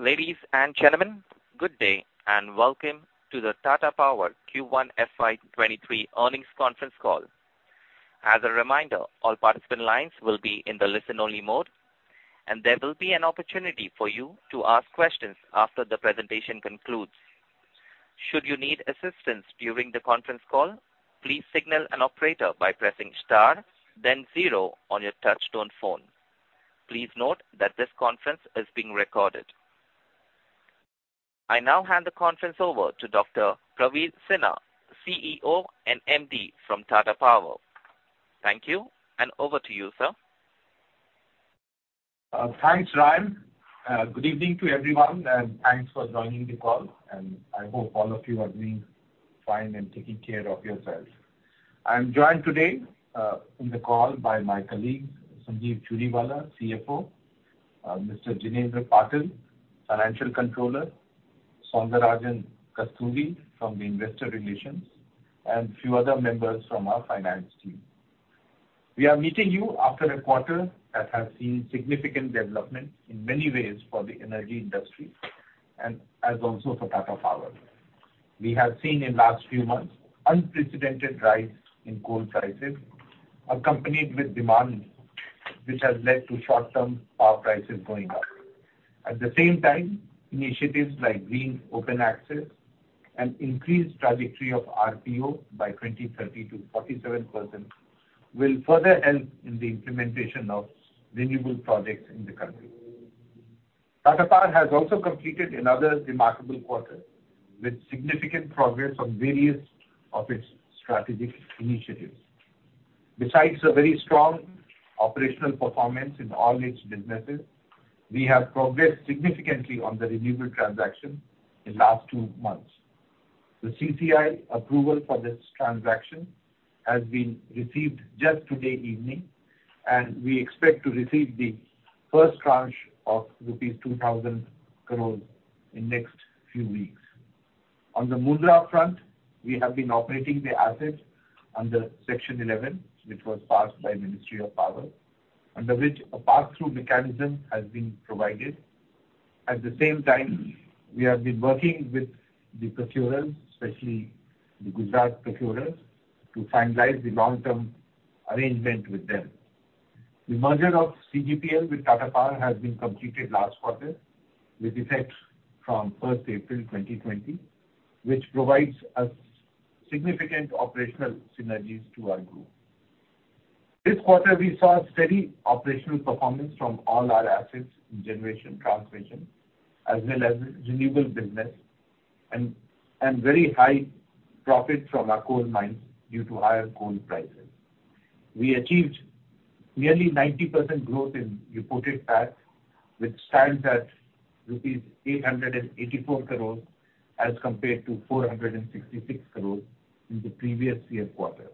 Ladies and gentlemen, good day, and welcome to the Tata Power Q1 FY23 earnings conference call. As a reminder, all participant lines will be in the listen-only mode, and there will be an opportunity for you to ask questions after the presentation concludes. Should you need assistance during the conference call, please signal an operator by pressing star then zero on your touch-tone phone. Please note that this conference is being recorded. I now hand the conference over to Dr. Praveer Sinha, CEO and MD from Tata Power. Thank you, and over to you, sir. Thanks, Ryan. Good evening to everyone, and thanks for joining the call. I hope all of you are doing fine and taking care of yourselves. I'm joined today, in the call by my colleague, Sanjeev Churiwala, CFO, Mr. Junesh Patel, Financial Controller, Kasturi Soundararajan from the investor relations, and a few other members from our finance team. We are meeting you after a quarter that has seen significant development in many ways for the energy industry and as also for Tata Power. We have seen in last few months unprecedented rise in coal prices accompanied with demand, which has led to short-term power prices going up. At the same time, initiatives like Green Open Access and increased trajectory of RPO by 2030 to 47% will further help in the implementation of renewable projects in the country. Tata Power has also completed another remarkable quarter with significant progress on various of its strategic initiatives. Besides a very strong operational performance in all its businesses, we have progressed significantly on the renewable transaction in last two months. The CCI approval for this transaction has been received just today evening, and we expect to receive the first tranche of rupees 2,000 crore in next few weeks. On the Mundra front, we have been operating the asset under Section 11, which was passed by Ministry of Power, under which a pass-through mechanism has been provided. At the same time, we have been working with the procurers, especially the Gujarat procurers, to finalize the long-term arrangement with them. The merger of CGPL with Tata Power has been completed last quarter, with effect from April 1, 2020, which provides us significant operational synergies to our group. This quarter we saw steady operational performance from all our assets in generation, transmission, as well as renewable business and very high profit from our coal mines due to higher coal prices. We achieved nearly 90% growth in reported PAT, which stands at rupees 884 crores as compared to 466 crores in the previous year quarter.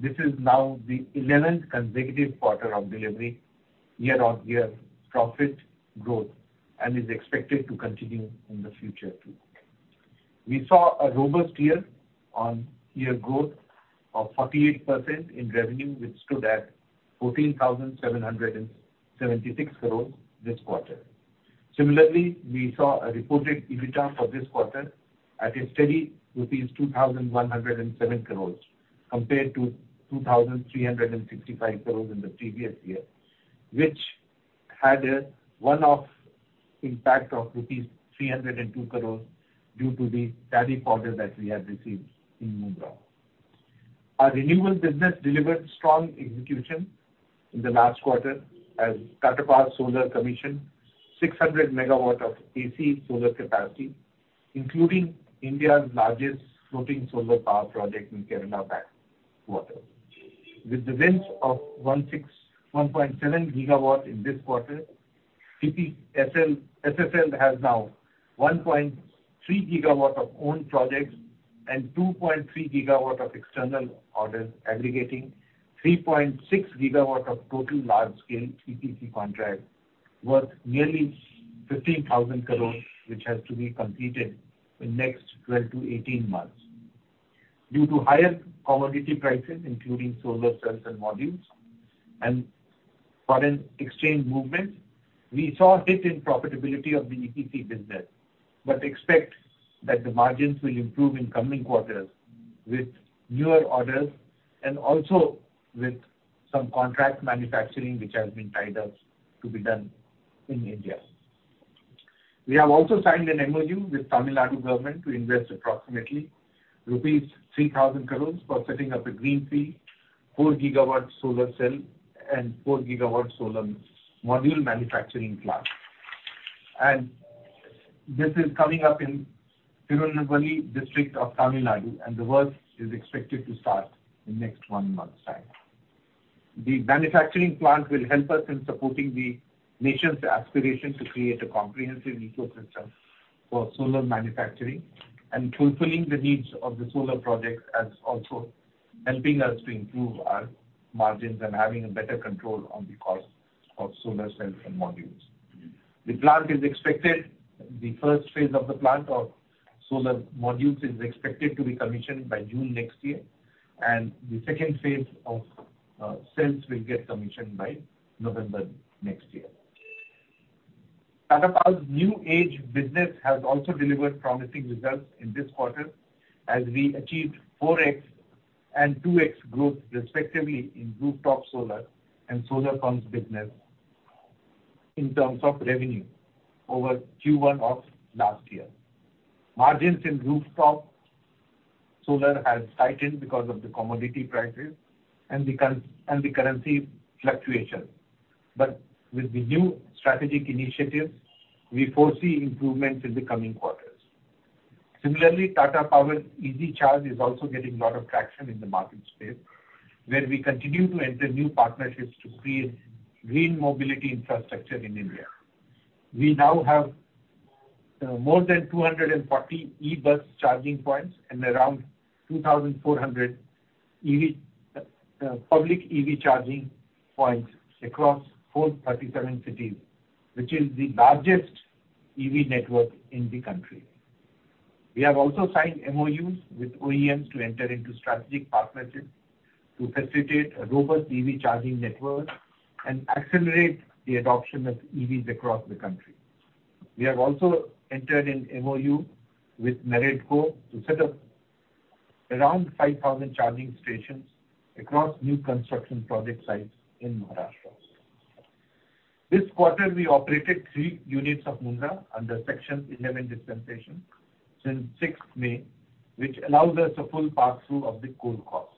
This is now the 11th consecutive quarter of delivery year-on-year profit growth and is expected to continue in the future too. We saw a robust year-on-year growth of 48% in revenue, which stood at 14,776 crores this quarter. We saw a reported EBITDA for this quarter at a steady rupees 2,107 crores compared to 2,365 crores in the previous year, which had a one-off impact of rupees 302 crores due to the tariff order that we have received in Mundra. Our renewable business delivered strong execution in the last quarter as Tata Power Solar commissioned 600 MW of AC solar capacity, including India's largest floating solar power project in Kerala backwaters. With the wins of one point seven GW in this quarter, TPSSL has now 1.3 GW of owned projects and 2.3 GW of external orders aggregating 3.6 GW of total large scale EPC contract worth nearly 15,000 crores, which has to be completed in next twelve to eighteen months. Due to higher commodity prices, including solar cells and modules and foreign exchange movements, we saw a hit in profitability of the EPC business, but expect that the margins will improve in coming quarters with newer orders and also with some contract manufacturing which has been tied up to be done in India. We have also signed an MOU with Tamil Nadu government to invest approximately rupees 3,000 crore for setting up a greenfield 4 GW solar cell and 4 GW solar module manufacturing plant. This is coming up in Tirunelveli district of Tamil Nadu, and the work is expected to start in next one month's time. The manufacturing plant will help us in supporting the nation's aspiration to create a comprehensive ecosystem for solar manufacturing and fulfilling the needs of the solar projects as also helping us to improve our margins and having a better control on the cost of solar cells and modules. The first phase of the plant of solar modules is expected to be commissioned by June next year, and the second phase of cells will get commissioned by November next year. Tata Power's New Age business has also delivered promising results in this quarter, as we achieved 4x and 2x growth, respectively, in rooftop solar and solar pumps business in terms of revenue over Q1 of last year. Margins in rooftop solar has tightened because of the commodity prices and the currency fluctuation. With the new strategic initiatives, we foresee improvements in the coming quarters. Similarly, Tata Power EZ Charge is also getting a lot of traction in the market space, where we continue to enter new partnerships to create green mobility infrastructure in India. We now have more than 240 E-bus charging points and around 2,400 public EV charging points across 437 cities, which is the largest EV network in the country. We have also signed MOUs with OEMs to enter into strategic partnerships to facilitate a robust EV charging network and accelerate the adoption of EVs across the country. We have also entered an MOU with MahaIT to set up around 5,000 charging stations across new construction project sites in Maharashtra. This quarter, we operated three units of Mundra under Section 11 dispensation since 6th May, which allows us a full pass-through of the coal costs.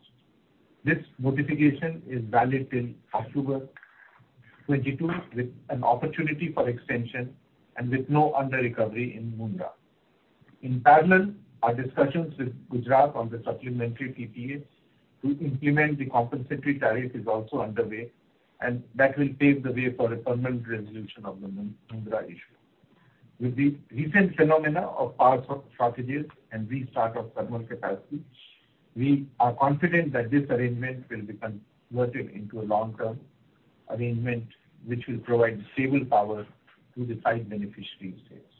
This modification is valid till October 2022, with an opportunity for extension and with no under-recovery in Mundra. In parallel, our discussions with Gujarat on the supplementary PPAs to implement the compensatory tariff is also underway, and that will pave the way for a permanent resolution of the Mundra issue. With the recent phenomena of power shortages and restart of thermal capacity, we are confident that this arrangement will be converted into a long-term arrangement which will provide stable power to the five beneficiary states.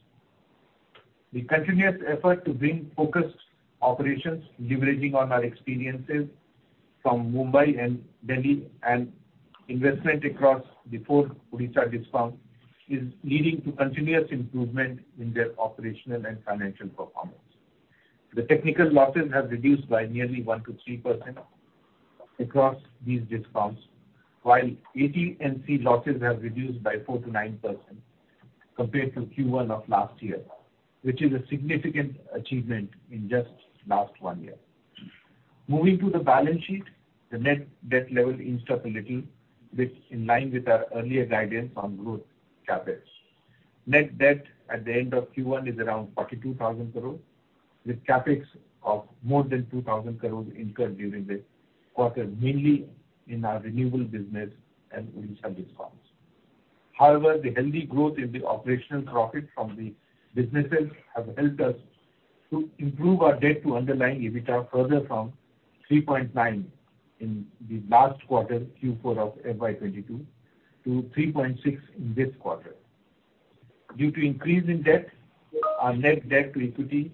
The continuous effort to bring focused operations leveraging on our experiences from Mumbai and Delhi and investment across the four Odisha discoms is leading to continuous improvement in their operational and financial performance. The technical losses have reduced by nearly 1%-3% across these discoms, while AT&C losses have reduced by 4%-9% compared to Q1 of last year, which is a significant achievement in just last one year. Moving to the balance sheet, the net debt level inched up a little in line with our earlier guidance on growth CapEx. Net debt at the end of Q1 is around 42,000 crore, with CapEx of more than 2,000 crore incurred during the quarter, mainly in our renewables business and Odisha discoms. However, the healthy growth in the operational profit from the businesses have helped us to improve our debt to underlying EBITDA further from 3.9 in the last quarter, Q4 of FY 2022, to 3.6 in this quarter. Due to increase in debt, our net debt to equity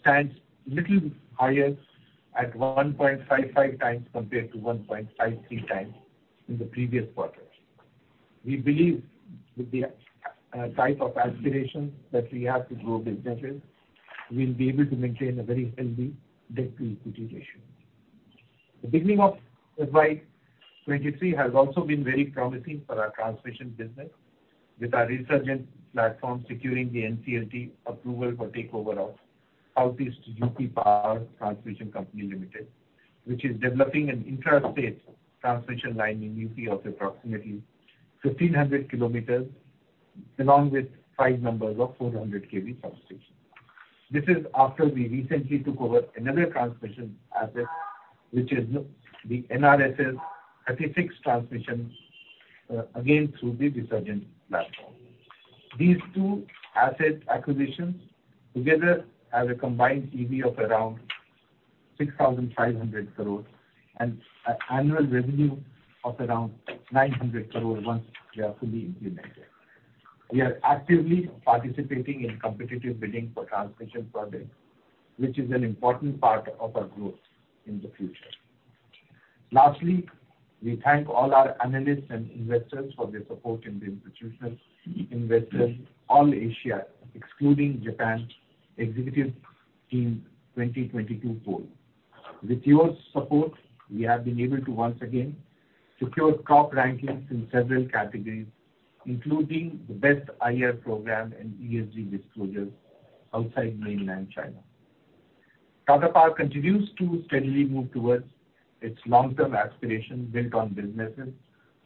stands little higher at 1.55 times compared to 1.53 times in the previous quarters. We believe with the type of aspirations that we have to grow businesses, we'll be able to maintain a very healthy debt-to-equity ratio. The beginning of FY 2023 has also been very promising for our transmission business, with our Resurgent Power platform securing the NCLT approval for takeover of South East UP Power Transmission Company Limited, which is developing an intrastate transmission line in UP of approximately 1,500 kilometers, along with five 400 KV substations. This is after we recently took over another transmission asset, which is the NRSS XXXVI Transmission, again, through the Resurgent Power platform. These two asset acquisitions together have a combined EV of around 6,500 crores and an annual revenue of around 900 crores once they are fully implemented. We are actively participating in competitive bidding for transmission projects, which is an important part of our growth in the future. Lastly, we thank all our analysts and investors for their support in the Institutional Investor All-Asia (ex-Japan) Executive Team 2022 poll. With your support, we have been able to once again secure top rankings in several categories, including the best IR program and ESG disclosure outside mainland China. Tata Power continues to steadily move towards its long-term aspiration built on businesses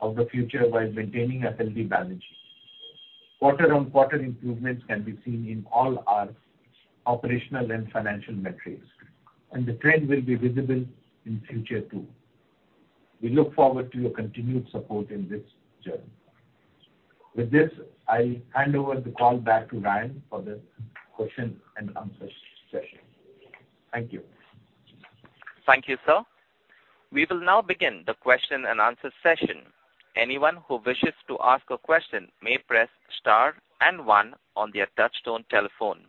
of the future while maintaining a healthy balance sheet. Quarter-on-quarter improvements can be seen in all our operational and financial metrics, and the trend will be visible in future too. We look forward to your continued support in this journey. With this, I'll hand over the call back to Ryan for the question and answer session. Thank you. Thank you, sir. We will now begin the question and answer session. Anyone who wishes to ask a question may press star and one on their touchtone telephone.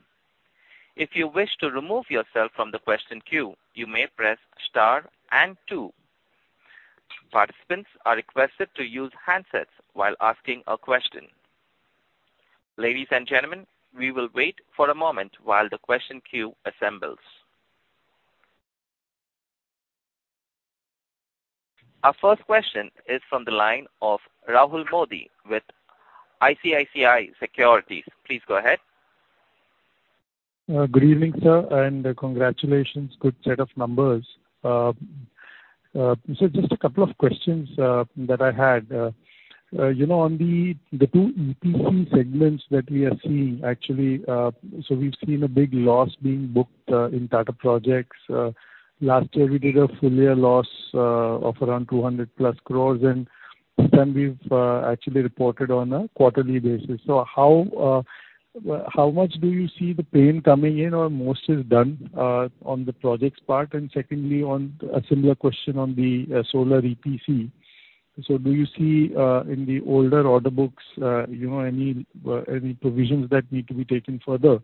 If you wish to remove yourself from the question queue, you may press star and two. Participants are requested to use handsets while asking a question. Ladies and gentlemen, we will wait for a moment while the question queue assembles. Our first question is from the line of Rahul Modi with ICICI Securities. Please go ahead. Good evening, sir, and congratulations. Good set of numbers. Just a couple of questions that I had. You know, on the two EPC segments that we are seeing actually, we've seen a big loss being booked in Tata Projects. Last year we did a full year loss of around 200+ crores, and since then we've actually reported on a quarterly basis. How much do you see the pain coming in, or most is done on the projects part? Secondly, on a similar question on the solar EPC. Do you see in the older order books you know, any provisions that need to be taken further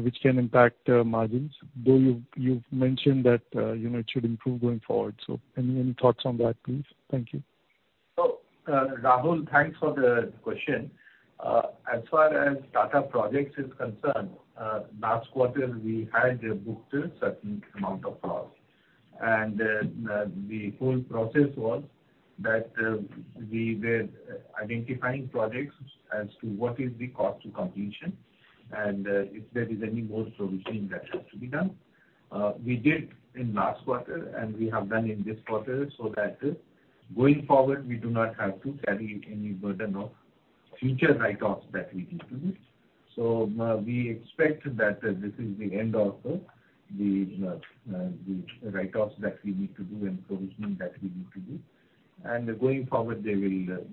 which can impact margins? Though you've mentioned that you know, it should improve going forward. Any thoughts on that, please? Thank you. Rahul, thanks for the question. As far as Tata Projects is concerned, last quarter we had booked a certain amount of loss. The whole process was that we were identifying projects as to what is the cost to completion, and if there is any more provisioning that has to be done. We did in last quarter, and we have done in this quarter, so that going forward we do not have to carry any burden of future write-offs that we need to do. We expect that this is the end of the write-offs that we need to do and provisioning that we have to do. Going forward, they will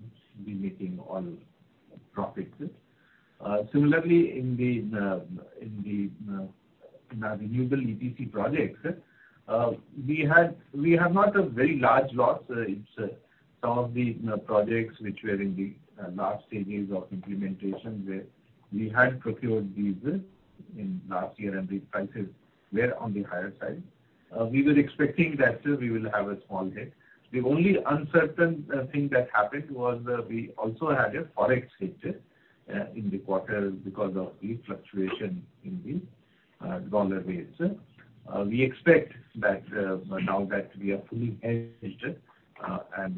be making all profits. Similarly in the renewable EPC projects, we have not a very large loss. It's some of the, you know, projects which were in the last stages of implementation where we had procured these in last year, and the prices were on the higher side. We were expecting that we will have a small hit. The only uncertain thing that happened was that we also had a Forex hit in the quarter because of the fluctuation in the dollar rates. We expect that now that we are fully hedged, and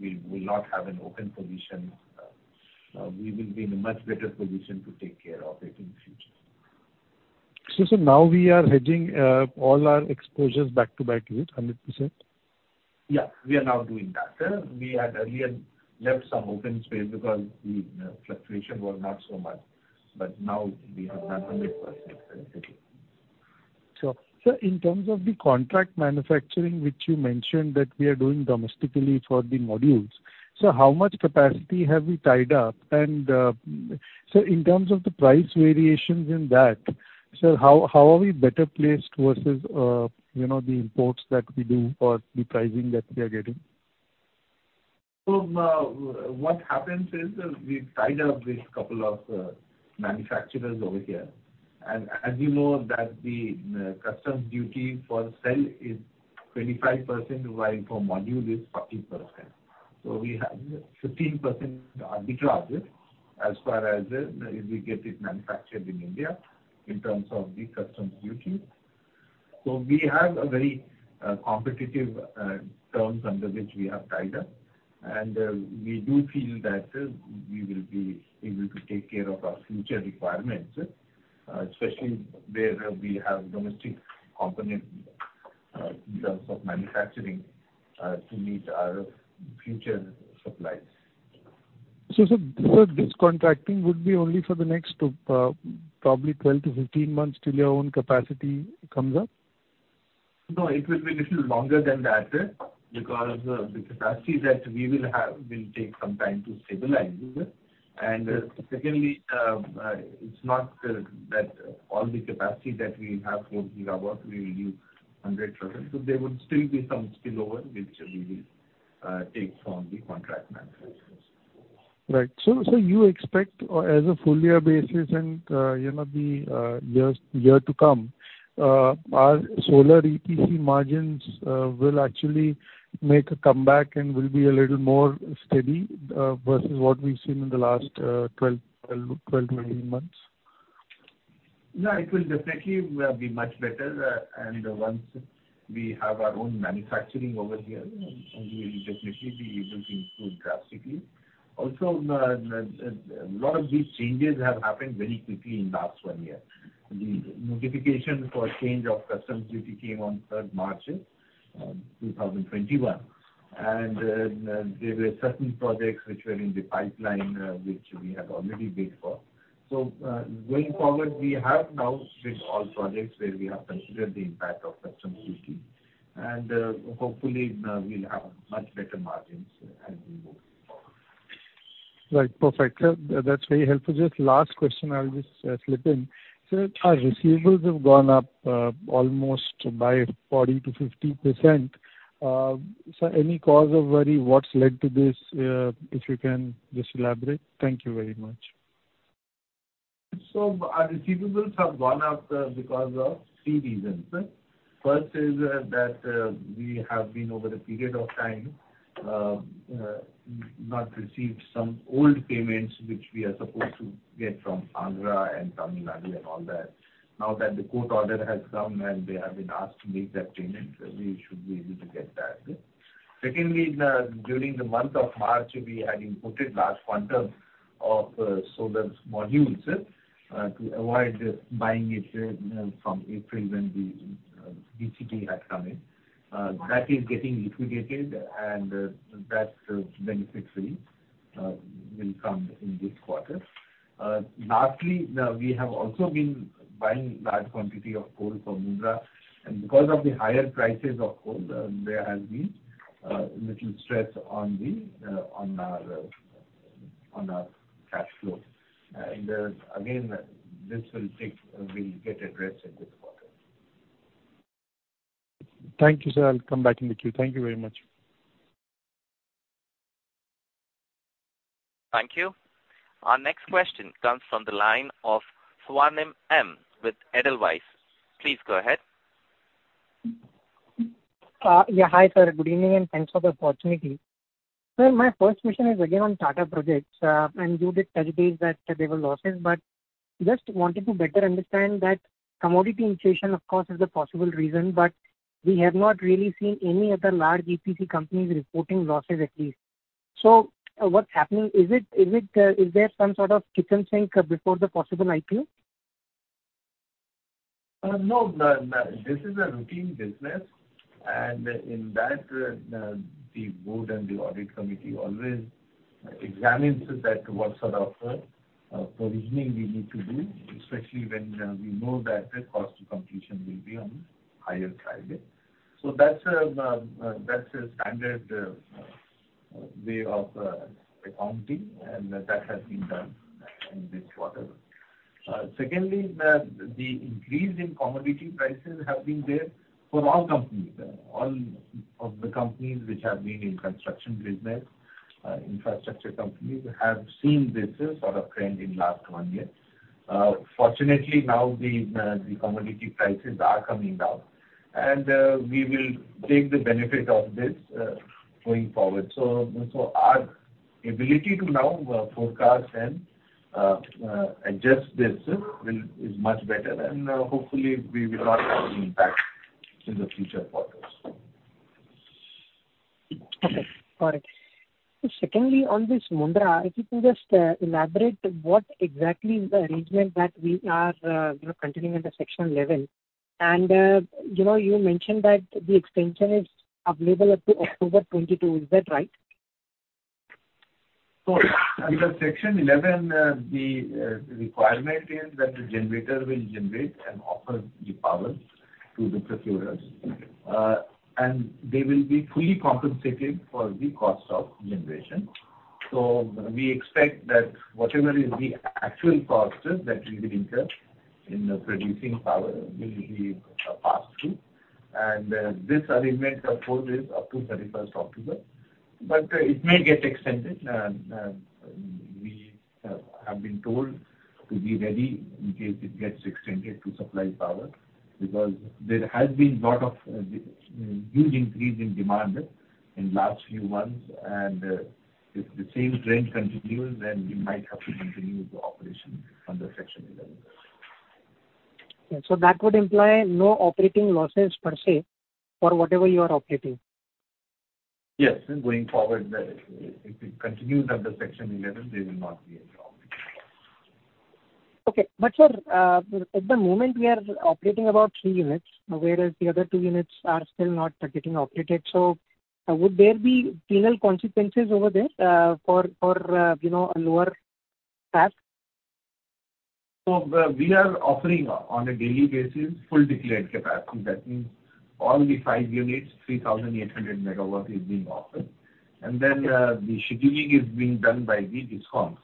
we will not have an open position, we will be in a much better position to take care of it in future. sir, now we are hedging, all our exposures back to back, is it 100%? Yeah, we are now doing that. We had earlier left some open space because the fluctuation was not so much. Now we have done 100% hedging. Sure. Sir, in terms of the contract manufacturing which you mentioned that we are doing domestically for the modules, so how much capacity have we tied up? Sir, in terms of the price variations in that, sir, how are we better placed versus, you know, the imports that we do for the pricing that we are getting? What happens is, we tied up with a couple of manufacturers over here. As you know that the customs duty for cell is 25%, while for module it's 30%. We have 15% arbitrage as far as, if we get it manufactured in India in terms of the customs duty. We have a very competitive terms under which we have tied up. We do feel that we will be able to take care of our future requirements, especially where we have domestic component, in terms of manufacturing, to meet our future supplies. Sir, so this contracting would be only for the next, probably 12-15 months till your own capacity comes up? No, it will be little longer than that, because the capacity that we will have will take some time to stabilize. Secondly, it's not that all the capacity that we have going forward we will use 100%. There would still be some spillover which we will take from the contract manufacturers. Right. You expect on a full-year basis and, you know, the year to come, our solar EPC margins will actually make a comeback and will be a little more steady versus what we've seen in the last 12-18 months? Yeah, it will definitely be much better. Once we have our own manufacturing over here, we will definitely be able to improve drastically. Also, lot of these changes have happened very quickly in last one year. The notification for change of customs duty came on March 3, 2021. There were certain projects which were in the pipeline, which we have already bid for. Going forward, we have now bid all projects where we have considered the impact of customs duty. Hopefully, we'll have much better margins as we move forward. Right. Perfect, sir. That's very helpful. Just last question I'll just slip in. Sir, our receivables have gone up almost by 40%-50%. So any cause of worry what's led to this? If you can just elaborate. Thank you very much. Our receivables have gone up because of three reasons. First is that we have been over a period of time not received some old payments which we are supposed to get from Agra and Tamil Nadu and all that. Now that the court order has come and they have been asked to make that payment, we should be able to get that. Secondly, during the month of March, we had imported large quantum of solar modules to avoid buying it from April when the BCD had come in. That is getting liquidated and that benefit will come in this quarter. Lastly, we have also been buying large quantity of coal from Mundra, and because of the higher prices of coal, there has been little stress on our cash flow. Again, this will get addressed in this quarter. Thank you, sir. I'll come back in the queue. Thank you very much. Thank you. Our next question comes from the line of Swarnim M. with Edelweiss. Please go ahead. Yeah. Hi, sir. Good evening, and thanks for the opportunity. Sir, my first question is again on Tata Projects. You did tell us that there were losses, but just wanted to better understand that commodity inflation, of course, is a possible reason, but we have not really seen any other large EPC companies reporting losses at least. What's happening? Is it? Is there some sort of kitchen sink before the possible IPO? No. This is a routine business, and in that, the board and the audit committee always examines that what sort of provisioning we need to do, especially when we know that the cost to completion will be on higher side. That's a standard way of accounting, and that has been done in this quarter. Secondly, the increase in commodity prices have been there for all companies. All of the companies which have been in construction business, infrastructure companies have seen this sort of trend in last one year. Fortunately now the commodity prices are coming down, and we will take the benefit of this going forward. Our ability to now forecast and adjust this is much better, and hopefully we will not have impact in the future quarters. Okay. Got it. Secondly, on this Mundra, if you can just elaborate what exactly is the arrangement that we are continuing under Section 11. You mentioned that the extension is available up to October 2022. Is that right? Under Section 11, the requirement is that the generator will generate and offer the power to the procurers, and they will be fully compensated for the cost of generation. We expect that whatever is the actual costs that will be incurred in producing power will be passed through. This arrangement, of course, is up to 31st October, but it may get extended. We have been told to be ready in case it gets extended to supply power because there has been lot of huge increase in demand in last few months. If the same trend continues, then we might have to continue the operation under Section 11. Okay. That would imply no operating losses per se for whatever you are operating. Yes. Going forward, if it continues under Section 11, there will not be any operating loss. Okay. Sir, at the moment we are operating about three units, whereas the other two units are still not getting operated. Would there be penal consequences over there, for, you know, a lower PLF? We are offering on a daily basis full declared capacity. That means all the five units, 3,800 MW is being offered. Then, the scheduling is being done by the DISCOM.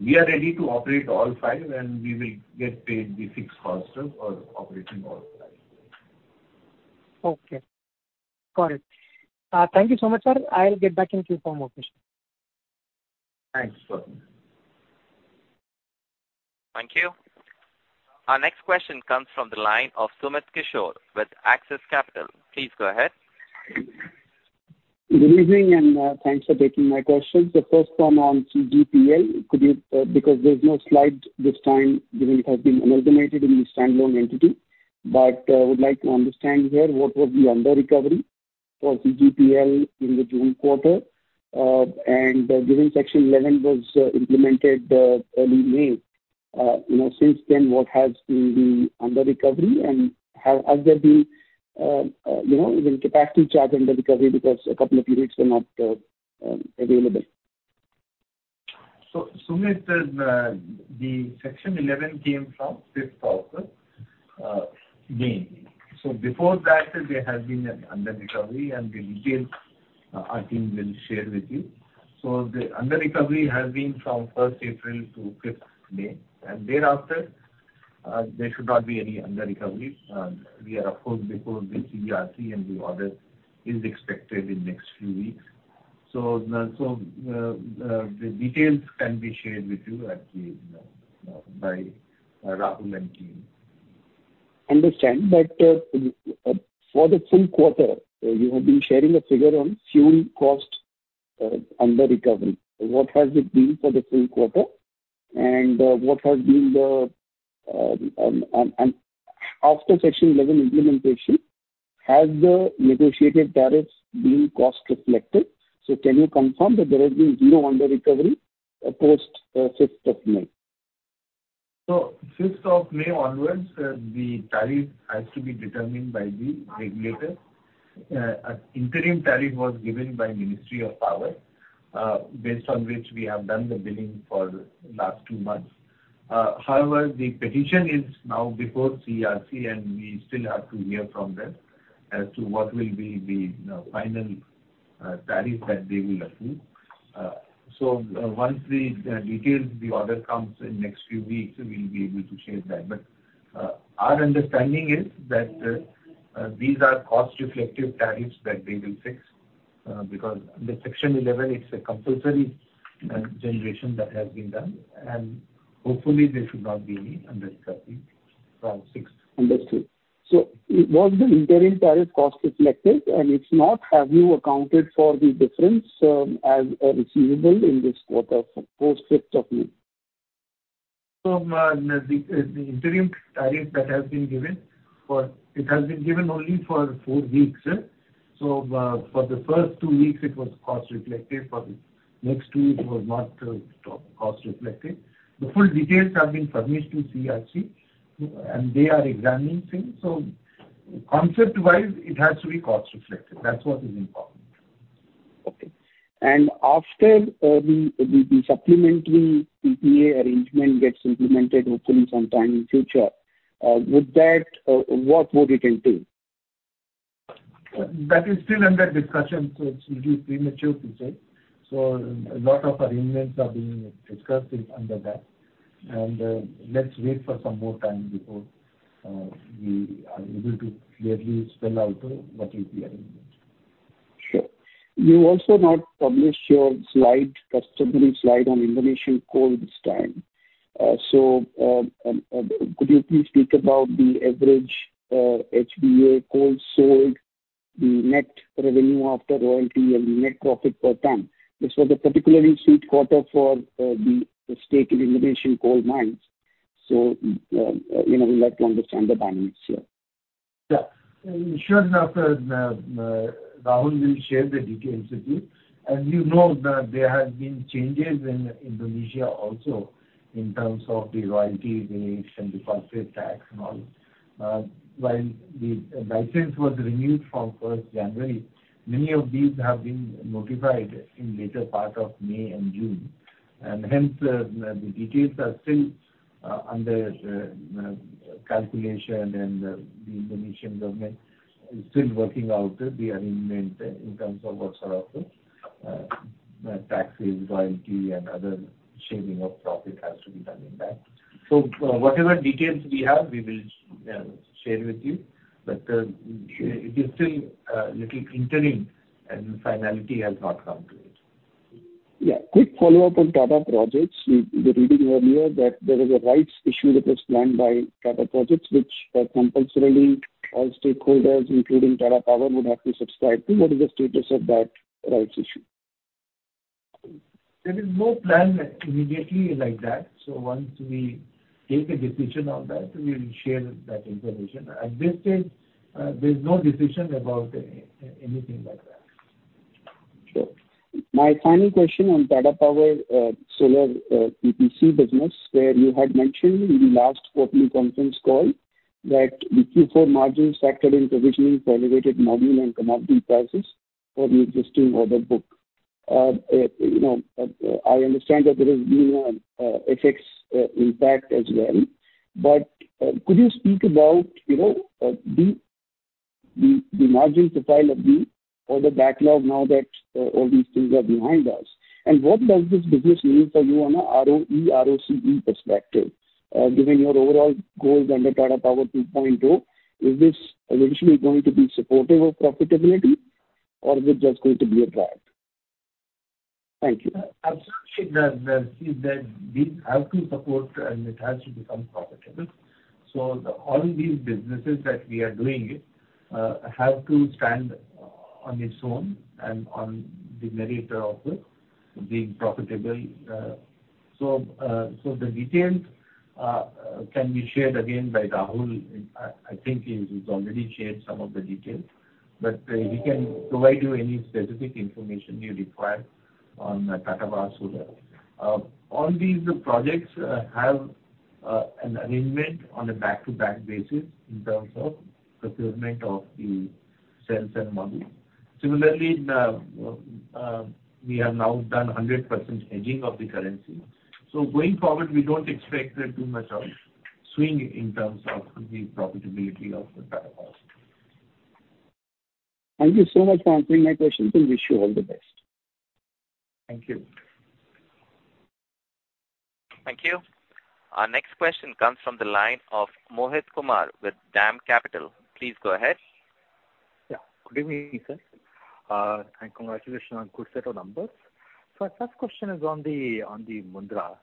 We are ready to operate all five, and we will get paid the fixed costs for operating all five units. Okay. Got it. Thank you so much, sir. I'll get back in queue for more questions. Thanks. Thank you. Our next question comes from the line of Sumit Kishore with Axis Capital. Please go ahead. Good evening, thanks for taking my questions. The first one on CGPL. Could you, because there's no slides this time, because it has been amalgamated in the standalone entity. Would like to understand here what was the under recovery for CGPL in the June quarter. Given Section 11 was implemented early May, you know, since then, what has been the under recovery? Have there been even capacity charge under recovery because a couple of units were not available? Sumit, the Section 11 came from 5th May. Before that, there has been an under-recovery, and the details, our team will share with you. The under-recovery has been from first April to fifth May. Thereafter, there should not be any under-recovery. We are, of course, before the CERC and the order is expected in next few weeks. The details can be shared with you by Rahul and team. Understand. For the full quarter, you have been sharing a figure on fuel cost under-recovery. What has it been for the full quarter, and after Section 11 implementation, has the negotiated tariffs been cost reflective? Can you confirm that there has been zero under-recovery post fifth of May? Fifth of May onwards, the tariff has to be determined by the regulator. An interim tariff was given by Ministry of Power, based on which we have done the billing for last two months. However, the petition is now before CERC, and we still have to hear from them as to what will be the final tariff that they will approve. Once the details, the order comes in next few weeks, we'll be able to share that. Our understanding is that these are cost reflective tariffs that they will fix, because Section 11, it's a compulsory generation that has been done. Hopefully there should not be any under-recovery from sixth onwards. Understood. Was the interim tariff cost reflective? If not, have you accounted for the difference as a receivable in this quarter for post fifth of May? The interim tariff that has been given. It has been given only for four weeks. For the first two weeks it was cost reflective. For the next two, it was not cost reflective. The full details have been furnished to CERC, and they are examining things. Concept-wise, it has to be cost reflective. That's what is important. Okay. After the supplementary PPA arrangement gets implemented, hopefully sometime in future, with that, what more detail too? That is still under discussion, so it's little premature to say. A lot of arrangements are being discussed in under that. Let's wait for some more time before we are able to clearly spell out what will be our arrangement. Sure. You also not published your slide, customary slide on Indonesian coal this time. Could you please speak about the average HBA coal sold, the net revenue after royalty and the net profit per ton? This was a particularly sweet quarter for the stake in Indonesian coal mines. You know, we'd like to understand the dynamics here. Yeah. Sure. After, Rahul will share the details with you. As you know that there has been changes in Indonesia also in terms of the royalty rates and the corporate tax and all. While the license was renewed from January 1, many of these have been notified in later part of May and June. Hence, the details are still under calculation, and the Indonesian government is still working out the arrangement in terms of what sort of taxes, royalty and other sharing of profit has to be done in that. Whatever details we have, we will share with you. It is still little interim, and finality has not come to it. Yeah. Quick follow-up on Tata Projects. We were reading earlier that there was a rights issue that was planned by Tata Projects, to which all stakeholders, including Tata Power, would have to subscribe compulsorily. What is the status of that rights issue? There is no plan immediately like that. Once we take a decision on that, we will share that information. At this stage, there's no decision about anything like that. Sure. My final question on Tata Power solar PPC business. Where you had mentioned in the last quarterly conference call that the Q4 margins factored in provisioning for elevated module and commodity prices for the existing order book. You know, I understand that there has been a FX impact as well. Could you speak about, you know, the margin profile of the order backlog now that all these things are behind us? And what does this business mean for you on a ROE, ROCE perspective? Given your overall goals under Tata Power 2.0, is this eventually going to be supportive of profitability or is it just going to be a drag? Thank you. Absolutely. These have to support and it has to become profitable. All these businesses that we are doing have to stand on its own and on the merit of it being profitable. The details can be shared again by Rahul. I think he's already shared some of the details. He can provide you any specific information you require on Tata Power Solar. All these projects have an arrangement on a back-to-back basis in terms of procurement of the cells and modules. Similarly, we have now done 100% hedging of the currency. Going forward, we don't expect too much of swing in terms of the profitability of the power house. Thank you so much for answering my questions and wish you all the best. Thank you. Thank you. Our next question comes from the line of Mohit Kumar with DAM Capital. Please go ahead. Yeah. Good evening, sir. Congratulations on good set of numbers. My first question is on the Mundra.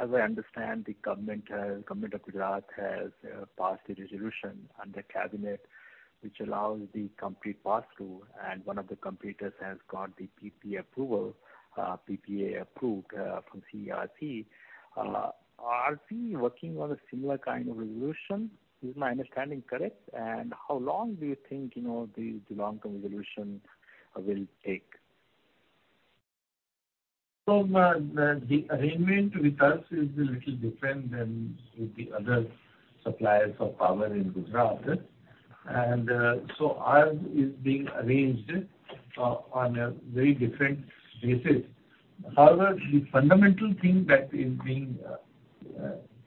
As I understand, the Government of Gujarat has passed a resolution under cabinet which allows the complete pass-through, and one of the competitors has got the PPA approved from CERC. Are we working on a similar kind of resolution? Is my understanding correct? How long do you think, you know, the long-term resolution will take? The arrangement with us is a little different than with the other suppliers of power in Gujarat. Ours is being arranged on a very different basis. However, the fundamental thing that is being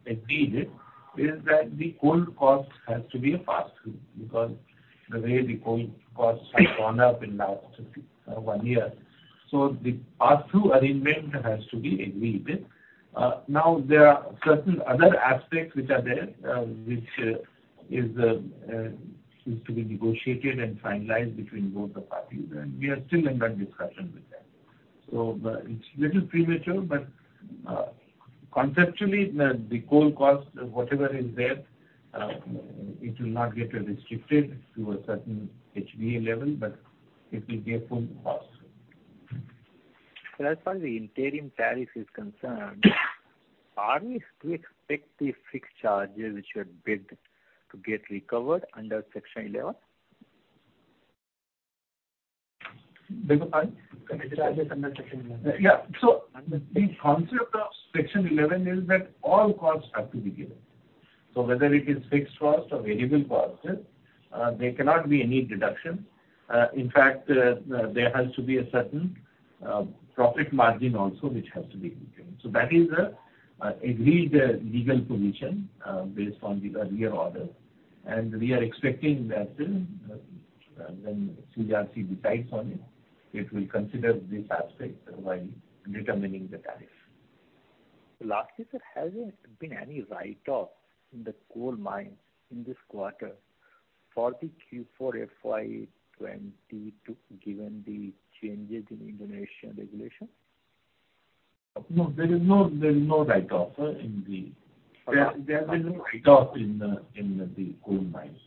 agreed is that the coal cost has to be a pass-through because the way the coal costs have gone up in last one year. The pass-through arrangement has to be agreed. There are certain other aspects which are there, which needs to be negotiated and finalized between both the parties, and we are still in that discussion with them. It's little premature, but conceptually, the coal cost, whatever is there, it will not get restricted to a certain HBA level, but it will be a full cost. Sir, as far as the interim tariff is concerned, are we to expect the fixed charges which you had bid to get recovered under Section 11? Beg your pardon. Fixed charges under Section 11. Yeah. The concept of Section 11 is that all costs have to be given. Whether it is fixed cost or variable cost, there cannot be any deduction. In fact, there has to be a certain profit margin also which has to be given. That is agreed legal position based on the earlier order. We are expecting that when CERC decides on it will consider this aspect while determining the tariff. Lastly, sir, has there been any write-off in the coal mine in this quarter for the Q4 FY 2022, given the changes in Indonesian regulation? No, there is no write-off in the coal mines. There has been no write-off in the coal mines.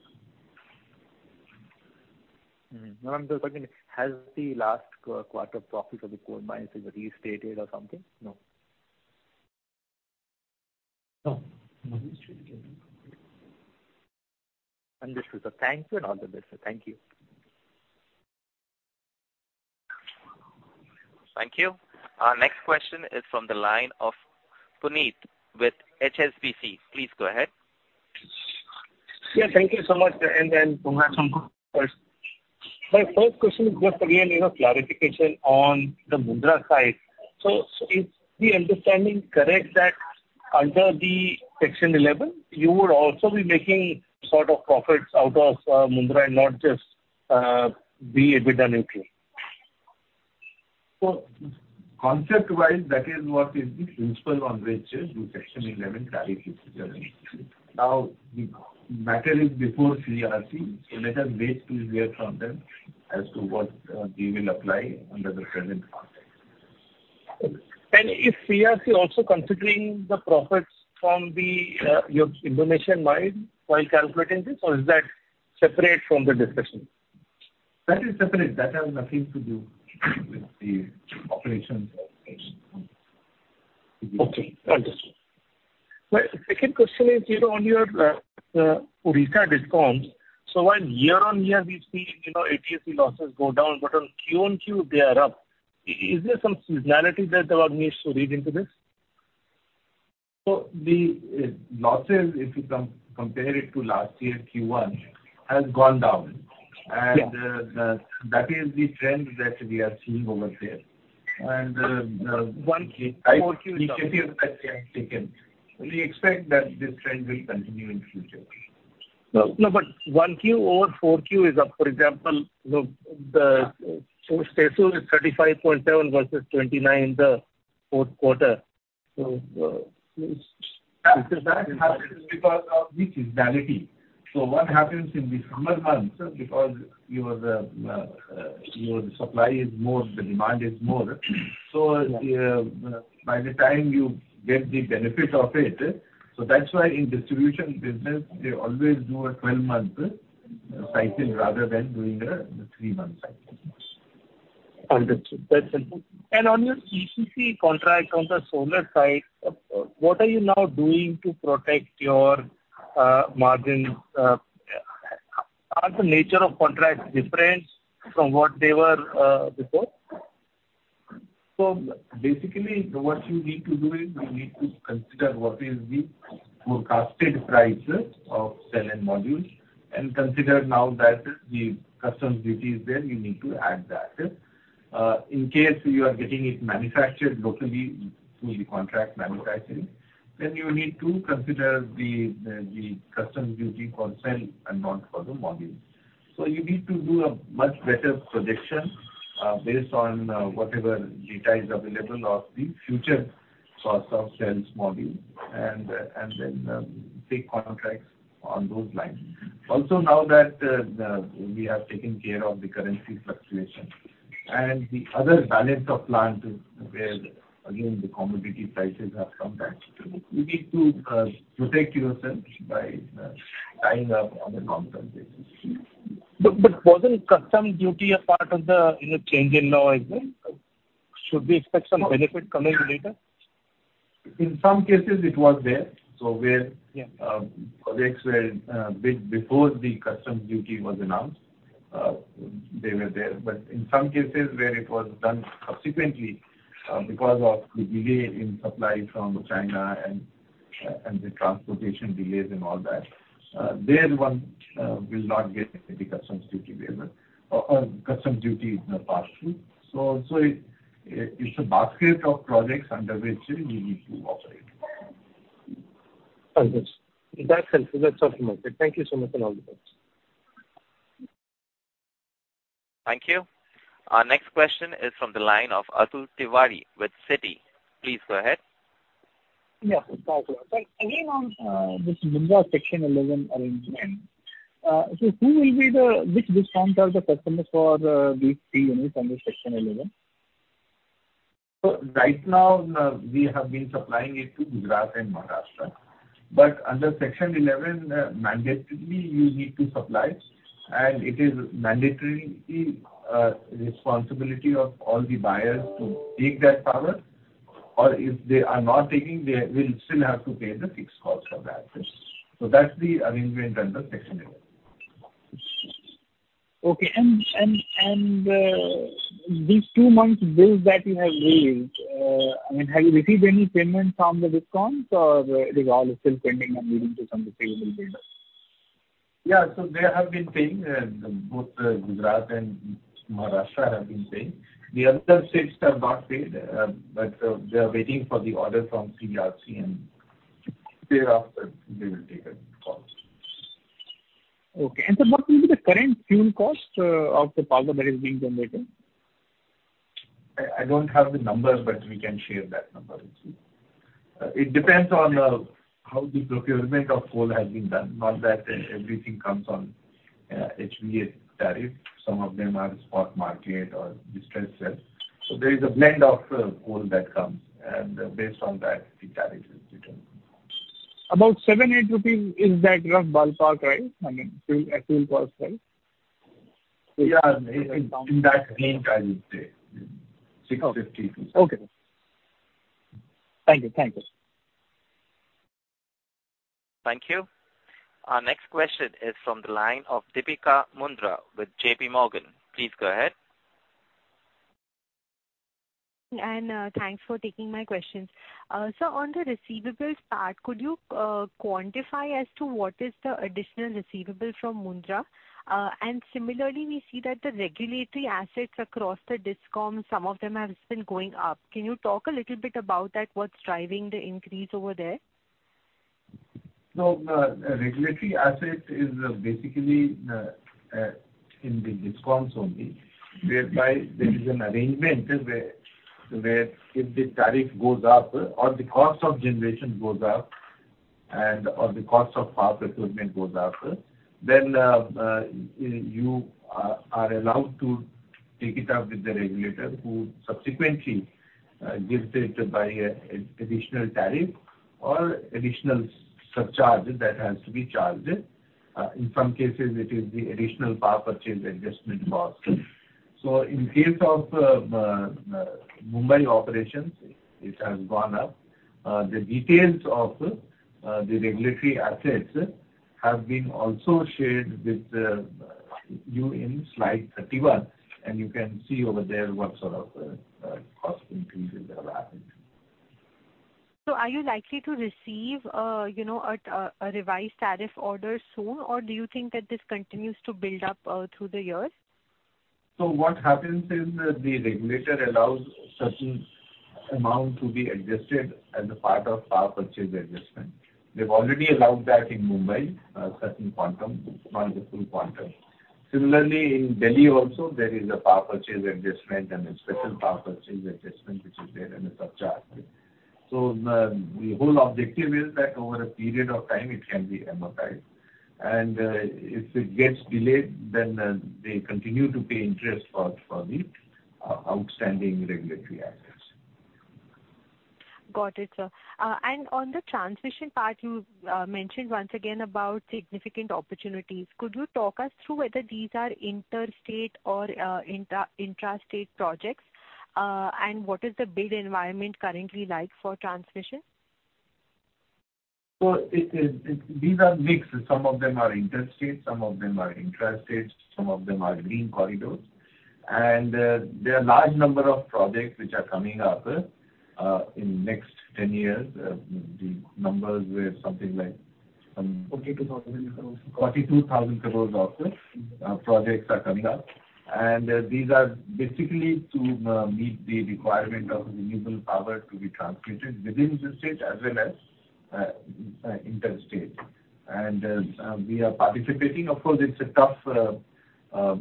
Mm-hmm. No, I'm just asking, has the last quarter profits of the coal mines been restated or something? No. No. Nothing has changed. Understood, sir. Thank you and all the best, sir. Thank you. Thank you. Our next question is from the line of Puneet with HSBC. Please go ahead. Yes. Thank you so much. Then congrats on. My first question was again, you know, clarification on the Mundra side. Is the understanding correct that under the Section 11 you would also be making sort of profits out of Mundra and not just be EBITDA neutral? Concept-wise, that is what is the principle on which the Section 11 tariff is determined. Now, the matter is before CERC, so let us wait to hear from them as to what they will apply under the present context. Is CERC also considering the profits from your Indonesian mine while calculating this, or is that separate from the discussion? That is separate. That has nothing to do with the operations of Mundra. Okay. Understood. My second question is, you know, on your Odisha DISCOMs, so while year-on-year we've seen, you know, AT&C losses go down, but on quarter-on-quarter they are up. Is there some seasonality that one needs to read into this? The losses, if you compare it to last year's Q1, has gone down. Yeah. That is the trend that we are seeing over there. 1Q. 4Q is up. that we have taken. We expect that this trend will continue in future. No. No, but 1Q over 4Q is up. For example, Yeah. is 35.7% versus 29% the fourth quarter. That happens because of the seasonality. What happens in the summer months, because your supply is more, the demand is more. Yeah. By the time you get the benefit of it. That's why in distribution business they always do a 12-month cycles rather than doing a three-month cycles. Understood. That's helpful. On your EPC contract on the solar side, what are you now doing to protect your margins? Are the nature of contracts different from what they were before? Basically what you need to do is you need to consider what is the forecasted price of cell and modules, and consider now that the customs duty is there, you need to add that. In case you are getting it manufactured locally through the contract manufacturing, then you need to consider the custom duty for cell and not for the module. You need to do a much better projection based on whatever data is available of the future source of cells module and then take contracts on those lines. Also now that we have taken care of the currency fluctuation and the other balance of plant is where again the commodity prices have come back to it. You need to protect yourself by tying up on a long-term basis. wasn't customs duty a part of the, you know, change in law as well? Should we expect some benefit coming later? In some cases it was there. Yeah. Projects were bid before the customs duty was announced. They were there. In some cases where it was done subsequently, because of the delay in supply from China and the transportation delays and all that, one will not get any customs duty waiver or customs duty is not passed through. It’s a basket of projects under which we need to operate. Understood. That's helpful. That's all from my side. Thank you so much and all the best. Thank you. Our next question is from the line of Atul Tiwari with Citi. Please go ahead. Thank you. Again, on this Mundra Section 11 arrangement, which discoms are the customers for these three units under Section 11? Right now, we have been supplying it to Gujarat and Maharashtra. Under section 11, mandatorily you need to supply, and it is mandatory responsibility of all the buyers to take that power, or if they are not taking, they will still have to pay the fixed cost of that. That's the arrangement under section 11. Okay. These two months bills that you have raised, I mean, have you received any payments from the DISCOMs or it is all still pending and leading to some receivable data? Yeah. They have been paying, both Gujarat and Maharashtra have been paying. The other states have not paid, but they are waiting for the order from CERC, and thereafter they will take a call. Okay. Sir, what will be the current fuel cost of the power that is being generated? I don't have the numbers, but we can share that number with you. It depends on how the procurement of coal has been done. Not that everything comes on HBA tariff. Some of them are spot market or distressed sales. There is a blend of coal that comes, and based on that the tariff is determined. About 7-8 rupees, is that rough ballpark right? I mean, fuel, at fuel cost, right? Yeah. In that range, I would say. 650-700. Okay. Thank you. Thank you. Thank you. Our next question is from the line of Deepika Mundra with JPMorgan. Please go ahead. Thanks for taking my questions. On the receivables part, could you quantify as to what is the additional receivable from Mundra? Similarly, we see that the regulatory assets across the discoms, some of them have been going up. Can you talk a little bit about that? What's driving the increase over there? Regulatory asset is basically in the discoms only, whereby there is an arrangement where if the tariff goes up or the cost of generation goes up or the cost of power procurement goes up, then you are allowed to take it up with the regulator who subsequently gives it by an additional tariff or additional surcharge that has to be charged. In some cases it is the additional power purchase adjustment cost. In case of Mumbai operations, it has gone up. The details of the regulatory assets have been also shared with you in slide 31, and you can see over there what sort of cost increases have happened. Are you likely to receive, you know, a revised tariff order soon, or do you think that this continues to build up through the year? What happens is the regulator allows certain amount to be adjusted as a part of power purchase adjustment. They've already allowed that in Mumbai, certain quantum, not the full quantum. Similarly, in Delhi also there is a power purchase adjustment and a special power purchase adjustment which is there and a surcharge. The whole objective is that over a period of time it can be amortized. If it gets delayed then, they continue to pay interest for the outstanding regulatory assets. Got it, sir. On the transmission part, you mentioned once again about significant opportunities. Could you talk us through whether these are interstate or intrastate projects? What is the bid environment currently like for transmission? These are mixed. Some of them are interstate, some of them are intrastate, some of them are green corridors. There are large number of projects which are coming up in next 10 years. The numbers were something like 42,000 crores. 42,000 crore of projects are coming up. These are basically to meet the requirement of renewable power to be transmitted within the state as well as interstate. We are participating. Of course, it's a tough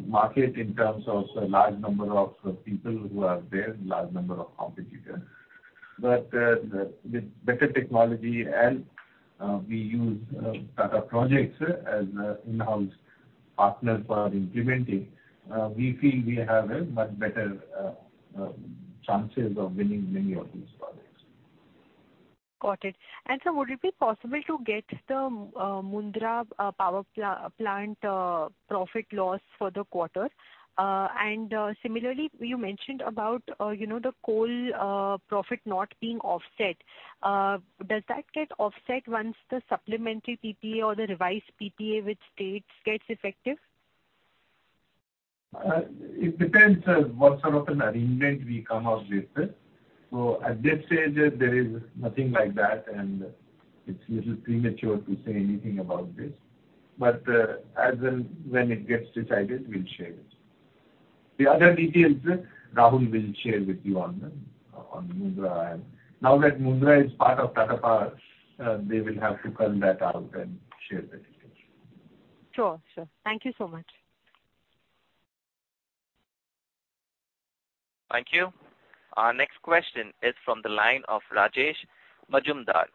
market in terms of large number of people who are there, large number of competitors. With better technology and we use Tata Projects as an in-house partner for implementing, we feel we have a much better chances of winning many of these projects. Got it. Sir, would it be possible to get the Mundra power plant profit loss for the quarter? Similarly you mentioned about you know the coal profit not being offset. Does that get offset once the supplementary PPA or the revised PPA with states gets effective? It depends what sort of an arrangement we come out with. At this stage there is nothing like that, and it's a little premature to say anything about this. As and when it gets decided, we'll share it. The other details, Rahul will share with you on Mundra. Now that Mundra is part of Tata Power, they will have to turn that around and share the details. Sure. Thank you so much. Thank you. Our next question is from the line of Rajesh Majumdar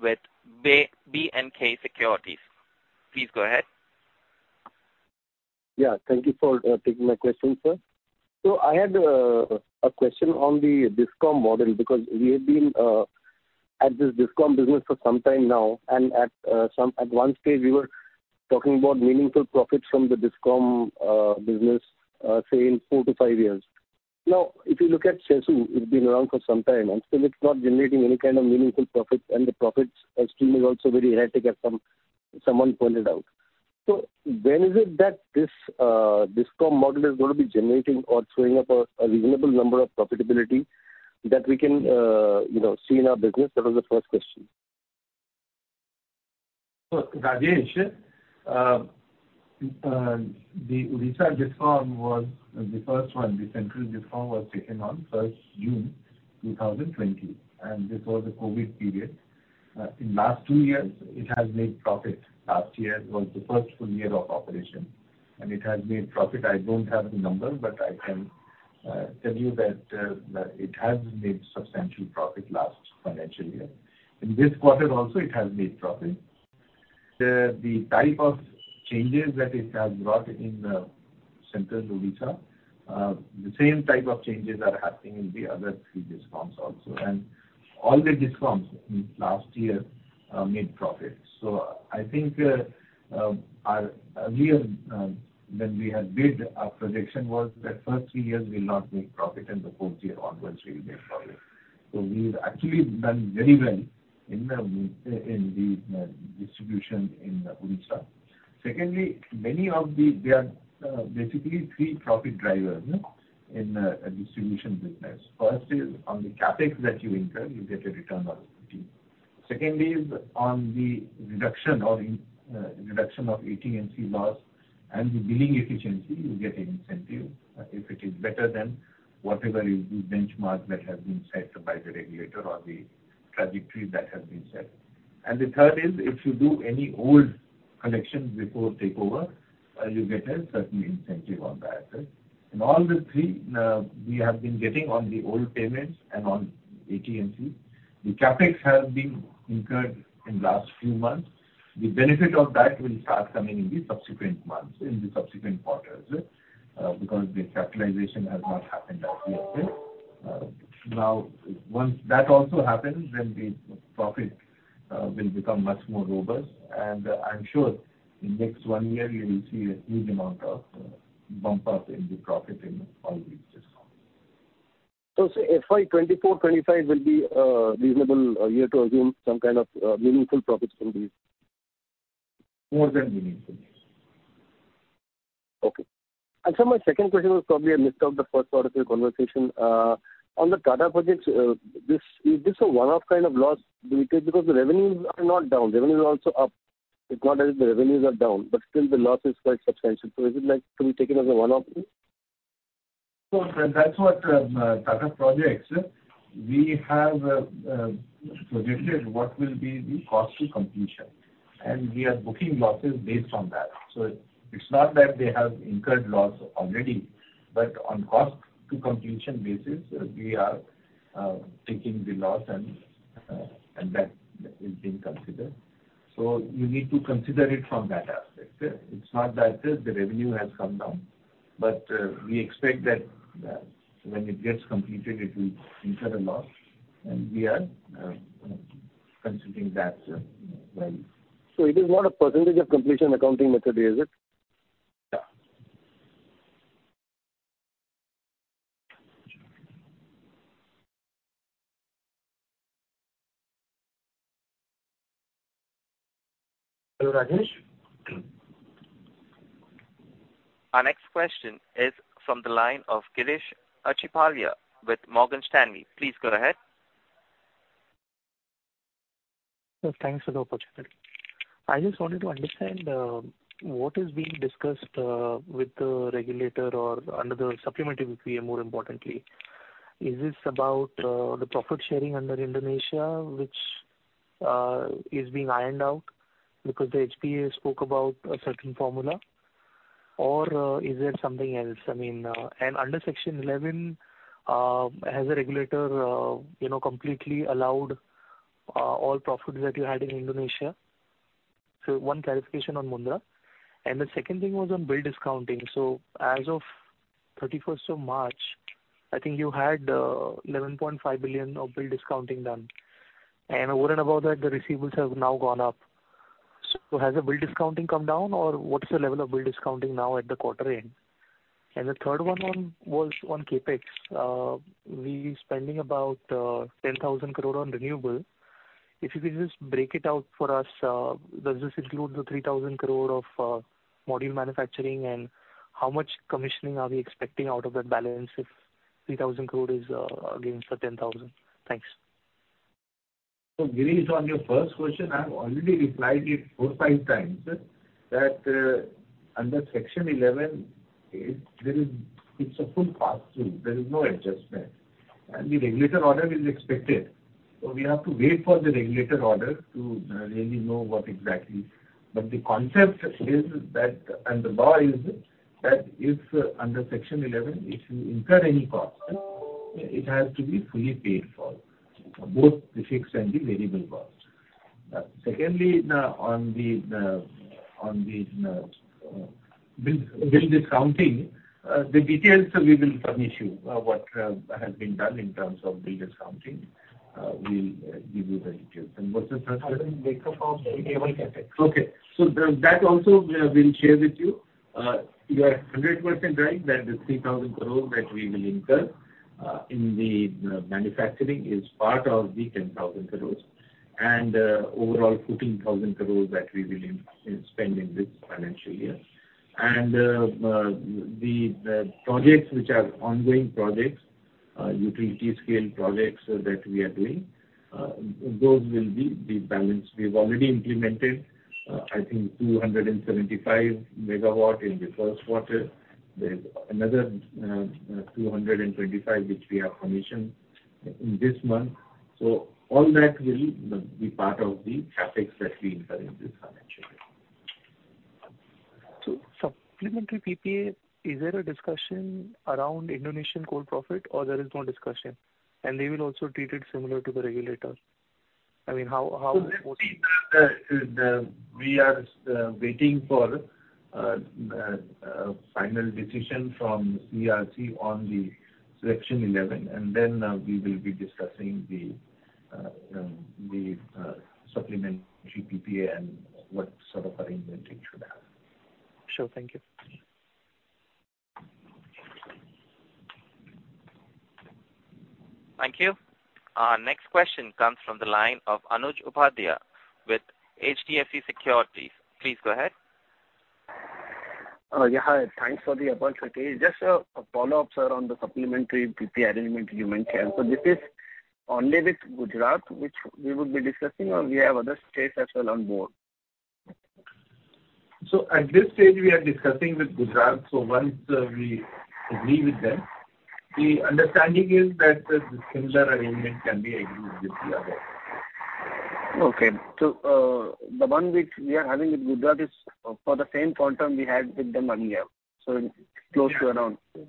with B&K Securities. Please go ahead. Yeah. Thank you for taking my question, sir. I had a question on the DISCOM model, because we have been at this DISCOM business for some time now. At one stage, we were talking about meaningful profits from the DISCOM business, say in four-five years. Now, if you look at CESU, it's been around for some time and still it's not generating any kind of meaningful profits. The profits are seemingly also very erratic as someone pointed out. When is it that this DISCOM model is going to be generating or throwing up a reasonable number of profitability that we can you know see in our business? That was the first question. Look, Rajesh, the Odisha DISCOM was the first one. The Central DISCOM was taken on June 1, 2020, and this was the COVID period. In the last two years it has made profit. Last year was the first full year of operation and it has made profit. I don't have the number, but I can tell you that it has made substantial profit last financial year. In this quarter also it has made profit. The type of changes that it has brought in central Odisha, the same type of changes are happening in the other three DISCOMs also. All the DISCOMs last year made profit. I think we have... When we had bid, our prediction was that first three years we'll not make profit and the fourth year onwards we will make profit. We've actually done very well in the distribution in Odisha. Secondly, there are basically three profit drivers in a distribution business. First is on the CapEx that you incur, you get a return of 15%. Second is on the reduction of AT&C loss and the billing efficiency, you get an incentive if it is better than whatever is the benchmark that has been set by the regulator or the trajectory that has been set. The third is if you do any old collections before takeover, you get a certain incentive on that. In all three, we have been getting on the old payments and on AT&C. The CapEx has been incurred in last few months. The benefit of that will start coming in the subsequent months, in the subsequent quarters, because the capitalization has not happened as yet. Now once that also happens, then the profit will become much more robust. I'm sure in next one year you will see a huge amount of bump up in the profit in all these DISCOMs. Say FY 2024/2025 will be a reasonable year to assume some kind of meaningful profits from these? More than meaningful, yes. Okay. Sir, my second question was probably I missed out the first part of your conversation. On the Tata Projects, is this a one-off kind of loss we take? Because the revenues are not down, revenues are also up. It's not that the revenues are down, but still the loss is quite substantial. Is it like to be taken as a one-off thing? That's what Tata Projects, we have projected what will be the cost to completion, and we are booking losses based on that. It's not that they have incurred loss already, but on cost to completion basis, we are taking the loss and that is being considered. You need to consider it from that aspect. It's not that the revenue has come down, but we expect that when it gets completed, it will incur a loss and we are considering that value. It is not a percentage of completion accounting method, is it? Yeah. Hello, Rajesh. Our next question is from the line of Girish Acharya with Morgan Stanley. Please go ahead. Sir, thanks for the opportunity. I just wanted to understand what is being discussed with the regulator or under the supplementary PPA more importantly. Is this about the profit sharing under Indonesia which is being ironed out because the HPC spoke about a certain formula? Or is there something else? I mean, under Section 11, has the regulator you know completely allowed all profits that you had in Indonesia? One clarification on Mundra. The second thing was on bill discounting. As of March 31, I think you had 11.5 billion of bill discounting done. Over and above that, the receivables have now gone up. Has the bill discounting come down, or what is the level of bill discounting now at the quarter end? The third one was on CapEx. We're spending about 10,000 crore on renewable. If you could just break it out for us, does this include the 3,000 crore of module manufacturing? How much commissioning are we expecting out of that balance if 3,000 crore is against the 10,000 crore? Thanks. Girish Acharya, on your first question, I've already replied it four, five times, that under Section 11, it's a full pass-through. There is no adjustment. The regulatory order is expected. We have to wait for the regulatory order to really know what exactly. The concept is that, and the law is that if under Section 11, if you incur any cost, it has to be fully paid for, both the fixed and the variable costs. Secondly, now on the bill discounting, the details we will furnish you what has been done in terms of bill discounting. We'll give you the details. What's the third one? Breakdown of the CapEx. That also we'll share with you. You are 100% right that the 3,000 crore that we will incur in the manufacturing is part of the 10,000 crore and the projects which are ongoing projects, utility scale projects that we are doing, those will be the balance. We've already implemented, I think, 275 MW in the first quarter. There's another 225 which we have commissioned in this month. All that will be part of the CapEx that we incur in this financial year. Supplementary PPA, is there a discussion around Indonesian coal profit or there is no discussion, and they will also treat it similar to the regulator? I mean, how Let's see. We are waiting for a final decision from CERC on the Section 11, and then we will be discussing the supplementary PPA and what sort of arrangement it should have. Sure. Thank you. Thank you. Our next question comes from the line of Anuj Upadhyay with HDFC Securities. Please go ahead. Yeah, hi. Thanks for the opportunity. Just a follow-up, sir, on the supplementary PPA arrangement you mentioned. This is only with Gujarat which we would be discussing or we have other states as well on board? At this stage we are discussing with Gujarat. Once we agree with them, the understanding is that the similar arrangement can be agreed with the others. Okay. The one which we are having with Gujarat is for the same quantum we had with them earlier, so close to around. Yeah.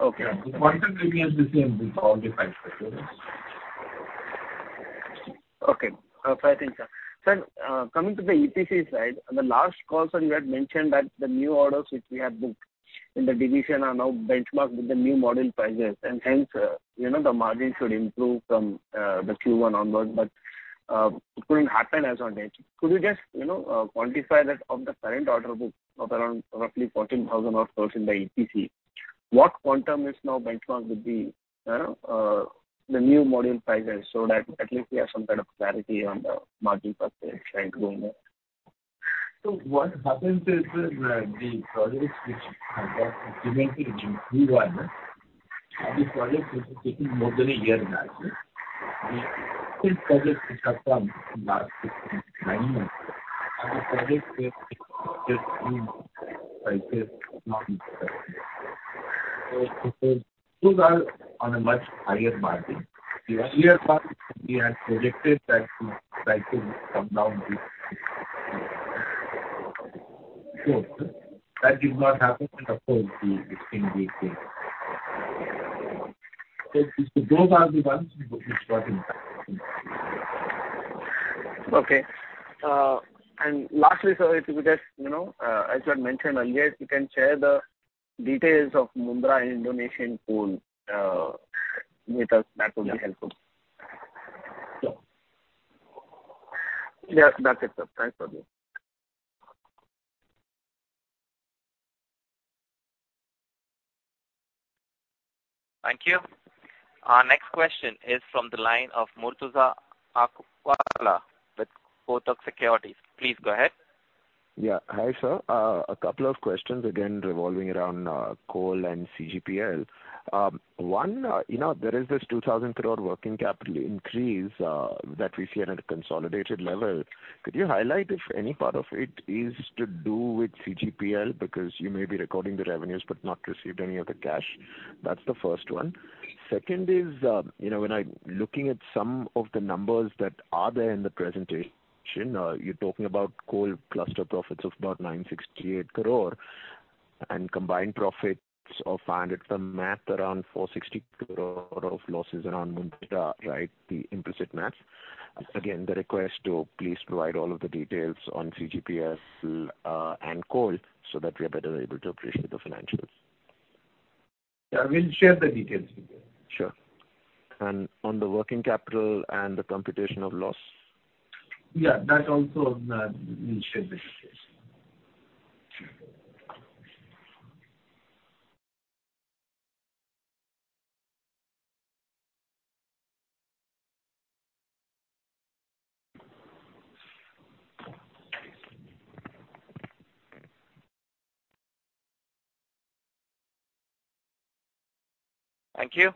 Okay. Yeah. The quantum will be the same with all the five states. Okay. Fair thing, sir. Sir, coming to the EPC side, on the last call, sir, you had mentioned that the new orders which we have booked in the division are now benchmarked with the new module prices and hence, you know, the margin should improve from the Q1 onwards, but it couldn't happen as on date. Could you just, you know, quantify that of the current order book of around roughly 14,000 or so in the EPC, what quantum is now benchmarked with the new module prices so that at least we have some kind of clarity on the margin perspective going forward? What happens is the projects which have been committed in Q1, now the projects which are taking more than a year now. The third project which are from last six to nine months, and the projects. Those are on a much higher margin. The earlier ones we had projected that the prices would come down. That did not happen and of course it's been the case. Those are the ones which got impacted. Okay. Lastly, sir, if you could just, you know, as you had mentioned earlier, if you can share the details of Mundra Indonesian coal, with us, that would be helpful. Sure. Yeah. That's it, sir. Thanks a lot. Thank you. Our next question is from the line of Murtuza Arsiwalla with Kotak Securities. Please go ahead. Yeah. Hi, sir. A couple of questions again revolving around coal and CGPL. One, you know, there is this 2,000 crore working capital increase that we see at a consolidated level. Could you highlight if any part of it is to do with CGPL because you may be recording the revenues but not received any of the cash? That's the first one. Second is, you know, when I'm looking at some of the numbers that are there in the presentation, you're talking about coal cluster profits of about 968 crore and combined profits of around 460 crore of losses around Mundra, right? The implicit math. Again, the request to please provide all of the details on CGPL and coal so that we are better able to appreciate the financials. Yeah, we'll share the details with you. Sure. On the working capital and the computation of loss? Yeah, that also, we'll share the details. Sure. Thank you.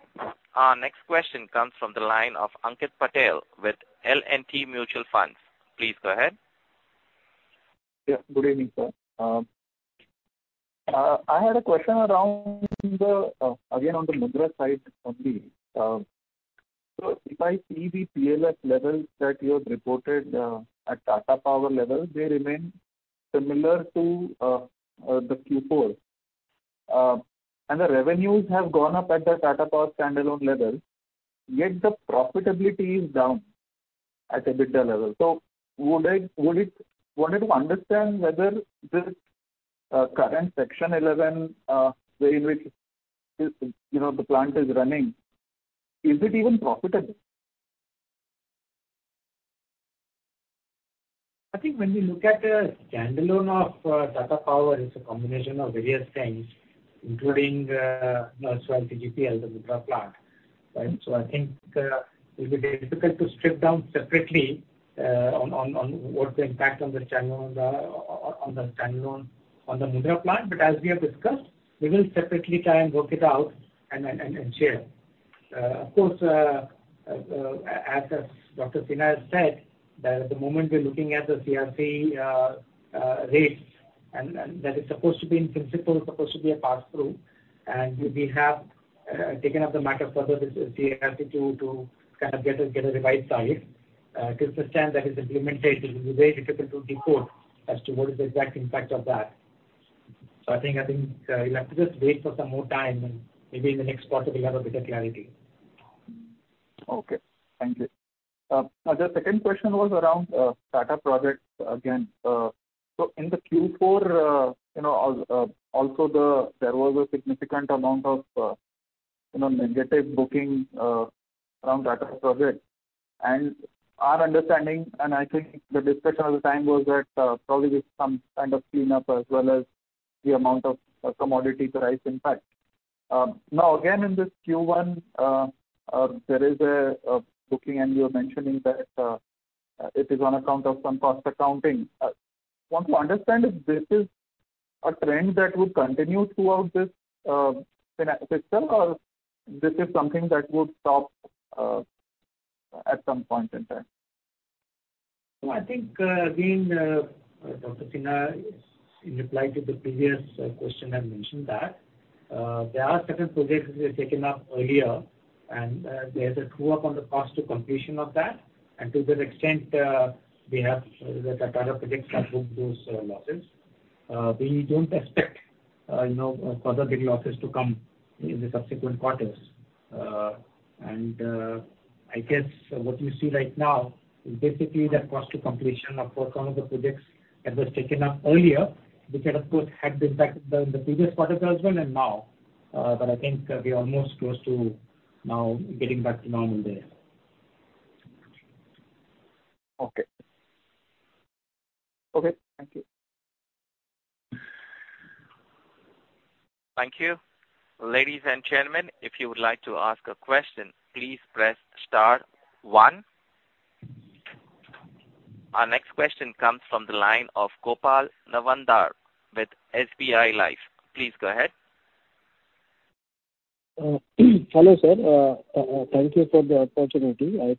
Our next question comes from the line of Ankit Patel with L&T Mutual Fund. Please go ahead. Yeah, good evening, sir. I had a question around the, again, on the Mundra side only. If I see the PLF levels that you have reported at Tata Power levels, they remain similar to the Q4. The revenues have gone up at the Tata Power standalone level, yet the profitability is down at EBITDA level. Wanted to understand whether this current Section 11, the way in which, you know, the plant is running, is it even profitable? I think when we look at the standalone of Tata Power, it's a combination of various things, including you know CGPL, the Mundra plant, right? I think it will be difficult to strip down separately on what the impact on the standalone on the Mundra plant. As we have discussed, we will separately try and work it out and share. Of course as Praveer Sinha has said that at the moment we're looking at the CERC rates and that is supposed to be in principle a pass-through. We have taken up the matter further with CERC to kind of get a revised tariff. Till the time that is implemented, it will be very difficult to decode as to what is the exact impact of that. I think you'll have to just wait for some more time and maybe in the next quarter we'll have a better clarity. Okay. Thank you. The second question was around Tata Projects again. In the Q4, you know, also there was a significant amount of, you know, negative booking from Tata Projects. Our understanding, and I think the discourse at the time was that, probably just some kind of cleanup as well as the amount of commodity price impact. Now again, in this Q1, there is a booking and you're mentioning that it is on account of some cost accounting. Want to understand if this is a trend that would continue throughout this fiscal, or this is something that would stop at some point in time. No, I think, again, Dr. Sinha, in reply to the previous question, have mentioned that there are certain projects which were taken up earlier, and there's a true up on the cost to completion of that. To that extent, we have, the Tata Projects have booked those losses. We don't expect, you know, further big losses to come in the subsequent quarters. I guess what you see right now is basically that cost to completion of work on the projects that was taken up earlier, which had of course had the impact in the previous quarter as well and now. I think we are almost close to now getting back to normal there. Okay. Thank you. Thank you. Ladies and gentlemen, if you would like to ask a question, please press star one. Our next question comes from the line of Gopal Nawandhar with SBI Life. Please go ahead. Hello, sir. Thank you for the opportunity. I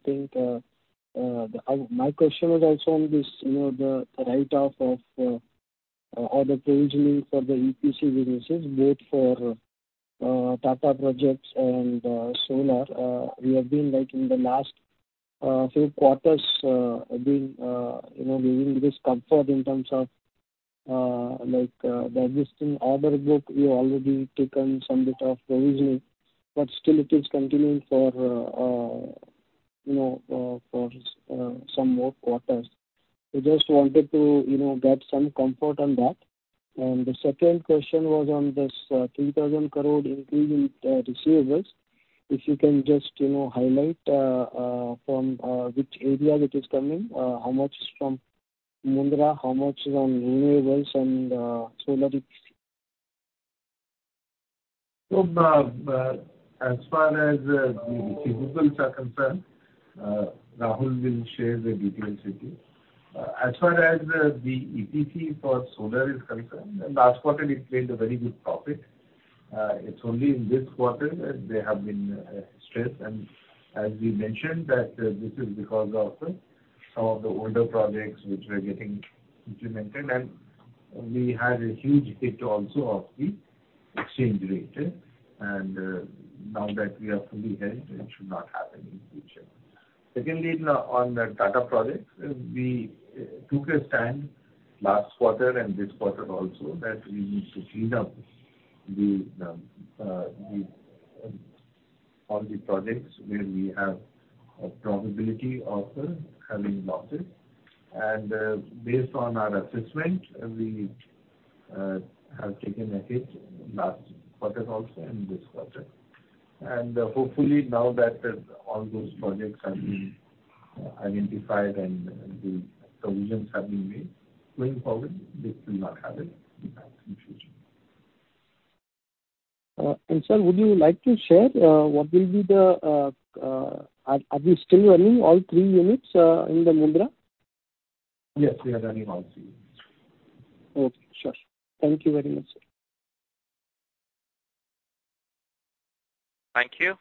think my question was also on this, you know, the write-off of order provisioning for the EPC businesses, both for Tata Projects and solar. We have been like in the last few quarters been, you know, giving this comfort in terms of, like, the existing order book, you already taken some bit of provisioning, but still it is continuing for, you know, for some more quarters. We just wanted to, you know, get some comfort on that. The second question was on this 3,000 crore increase in receivables. If you can just, you know, highlight from which area it is coming, how much is from- Mundra, how much is on renewables and, solar EPC? As far as the renewables are concerned, Rahul will share the details with you. As far as the EPC for solar is concerned, last quarter it made a very good profit. It's only in this quarter that they have been stressed. As we mentioned that this is because of some of the older projects which were getting implemented. We had a huge hit also of the exchange rate. Now that we are fully hedged, it should not happen in future. Secondly, now on the Tata Power project, we took a stand last quarter and this quarter also, that we need to clean up all the projects where we have a probability of having losses. Based on our assessment, we have taken a hit last quarter also and this quarter. Hopefully now that all those projects have been identified and the provisions have been made going forward, this will not happen in fact in future. Sir, are we still running all three units in the Mundra? Yes, we are running all three units. Okay. Sure. Thank you very much, sir. Thank you.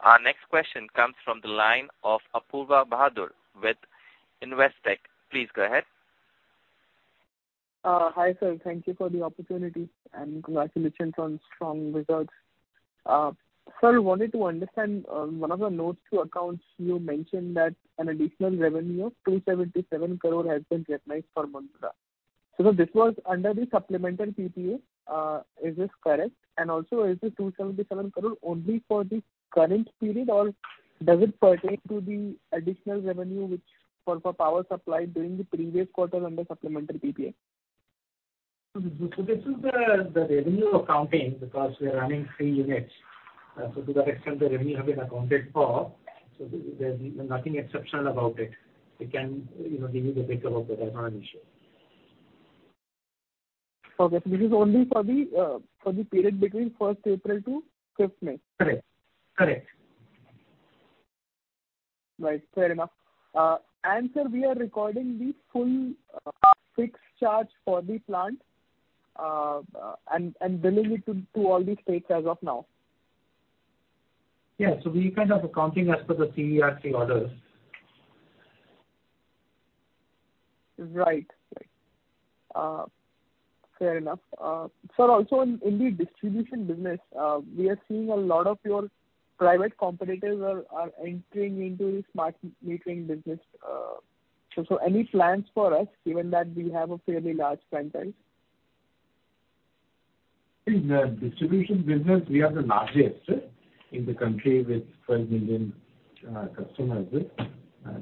Our next question comes from the line of Apoorva Bahadur with Investec. Please go ahead. Hi sir. Thank you for the opportunity, and congratulations on strong results. Sir, wanted to understand, one of the notes to accounts, you mentioned that an additional revenue of 277 crore has been recognized for Mundra. This was under the supplemental PPA, is this correct? Also is the 277 crore only for the current period, or does it pertain to the additional revenue which for power supply during the previous quarter under supplementary PPA? This is the revenue accounting because we are running three units. To that extent the revenue has been accounted for. There's nothing exceptional about it. We can, you know, give you the breakup of that. That's not an issue. Okay. This is only for the period between first April to fifth May? Correct. Correct. Right. Fair enough. Sir, we are recording the full fixed charge for the plant, and billing it to all the states as of now? Yeah. We're kind of accounting as per the CERC order. Right. Fair enough. Sir, also in the distribution business, we are seeing a lot of your private competitors are entering into the smart metering business. Any plans for us given that we have a fairly large clientele? In the distribution business we are the largest in the country with 12 million customers.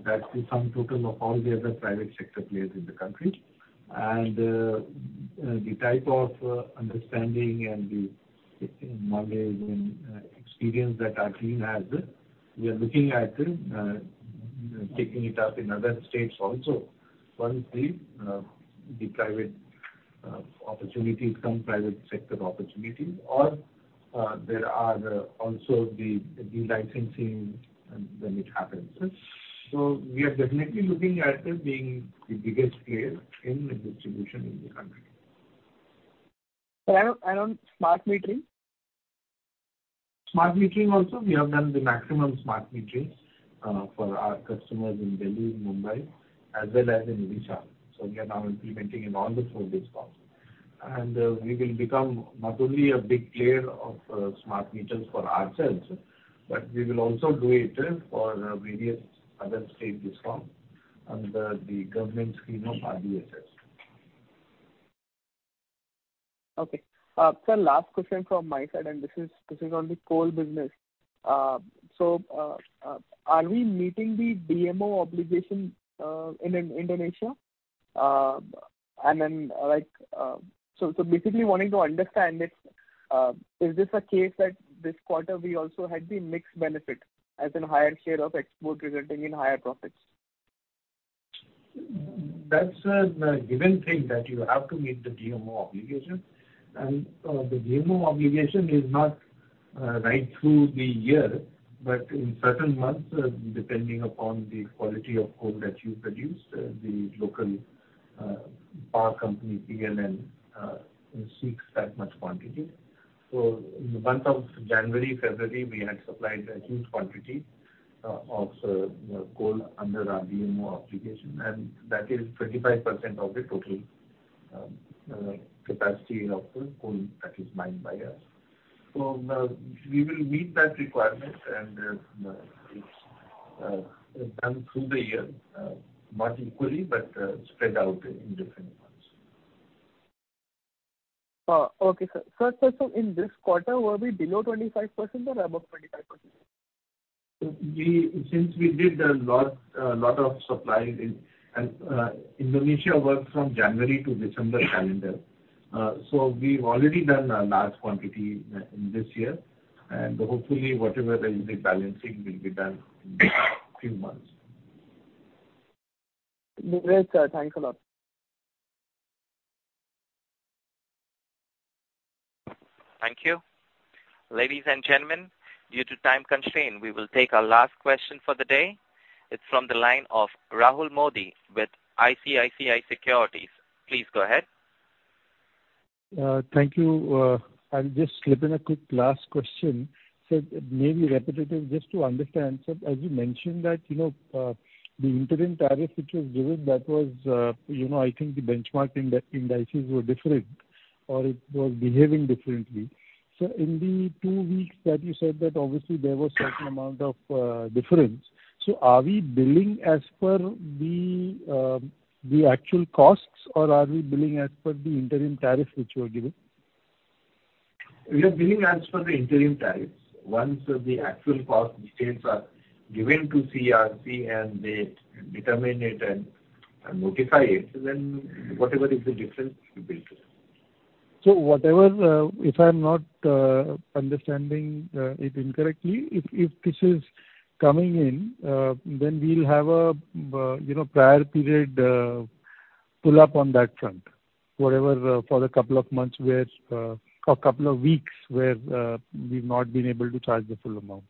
That's the sum total of all the other private sector players in the country. The type of understanding and the knowledge and experience that our team has, we are looking at taking it up in other states also. Once the private opportunities come, private sector opportunities, or there are also the licensing when it happens. We are definitely looking at being the biggest player in the distribution in the country. On smart metering? Smart metering also, we have done the maximum smart metering for our customers in Delhi and Mumbai as well as in Odisha. We are now implementing in all the four DISCOMs. We will become not only a big player of smart meters for ourselves, but we will also do it for various other state DISCOMs under the government scheme of RDSS. Okay. Sir, last question from my side, and this is on the coal business. Are we meeting the DMO obligation in Indonesia? Like, so basically wanting to understand if is this a case that this quarter we also had the mixed benefit as in higher share of exports resulting in higher profits? That's a given thing that you have to meet the DMO obligation. The DMO obligation is not right through the year, but in certain months, depending upon the quality of coal that you produce, the local power company, PLN, seeks that much quantity. In the month of January, February, we had supplied a huge quantity of coal under our DMO obligation, and that is 35% of the total capacity of the coal that is mined by us. We will meet that requirement and it's done through the year, not equally but spread out in different months. Okay, sir. Sir, in this quarter, were we below 25% or above 25%? Since we did a lot of supply in Indonesian works from January to December calendar. We've already done a large quantity in this year, and hopefully whatever the rebalancing will be done in a few months. Great, sir. Thanks a lot. Thank you. Ladies and gentlemen, due to time constraint, we will take our last question for the day. It's from the line of Rahul Modi with ICICI Securities. Please go ahead. Thank you. I'll just slip in a quick last question. Maybe repetitive just to understand, sir. As you mentioned that, you know, the interim tariff which was given that was, you know, I think the benchmark indices were different or it was behaving differently. In the two weeks that you said that obviously there was certain amount of difference, so are we billing as per the actual costs or are we billing as per the interim tariff which you were given? We are billing as per the interim tariffs. Once the actual cost details are given to CERC and they determine it and notify it, then whatever is the difference, we bill it. Whatever, if I'm not understanding it incorrectly, if this is coming in, then we'll have a, you know, prior period pull up on that front. Whatever, for the couple of weeks where we've not been able to charge the full amount.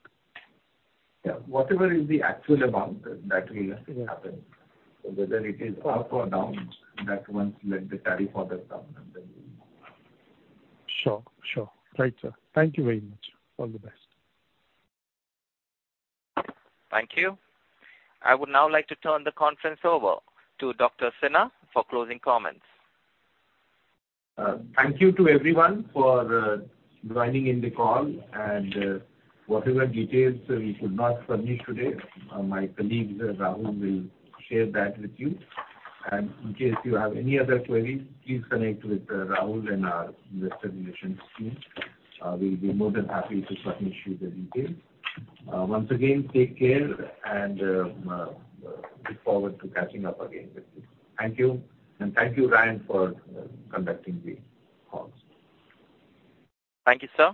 Yeah. Whatever is the actual amount that will happen. Whether it is up or down, that once let the tariff orders come then we'll know. Sure. Right, sir. Thank you very much. All the best. Thank you. I would now like to turn the conference over to Dr. Sinha for closing comments. Thank you to everyone for joining in the call and whatever details we could not furnish today, my colleague Rahul will share that with you. In case you have any other queries, please connect with Rahul and our investor relations team. We'll be more than happy to furnish you the details. Once again, take care and look forward to catching up again with you. Thank you, and thank you, Ryan, for conducting the calls. Thank you, sir.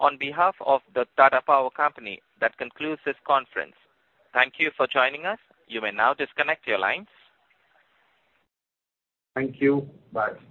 On behalf of the Tata Power Company, that concludes this conference. Thank you for joining us. You may now disconnect your lines. Thank you. Bye.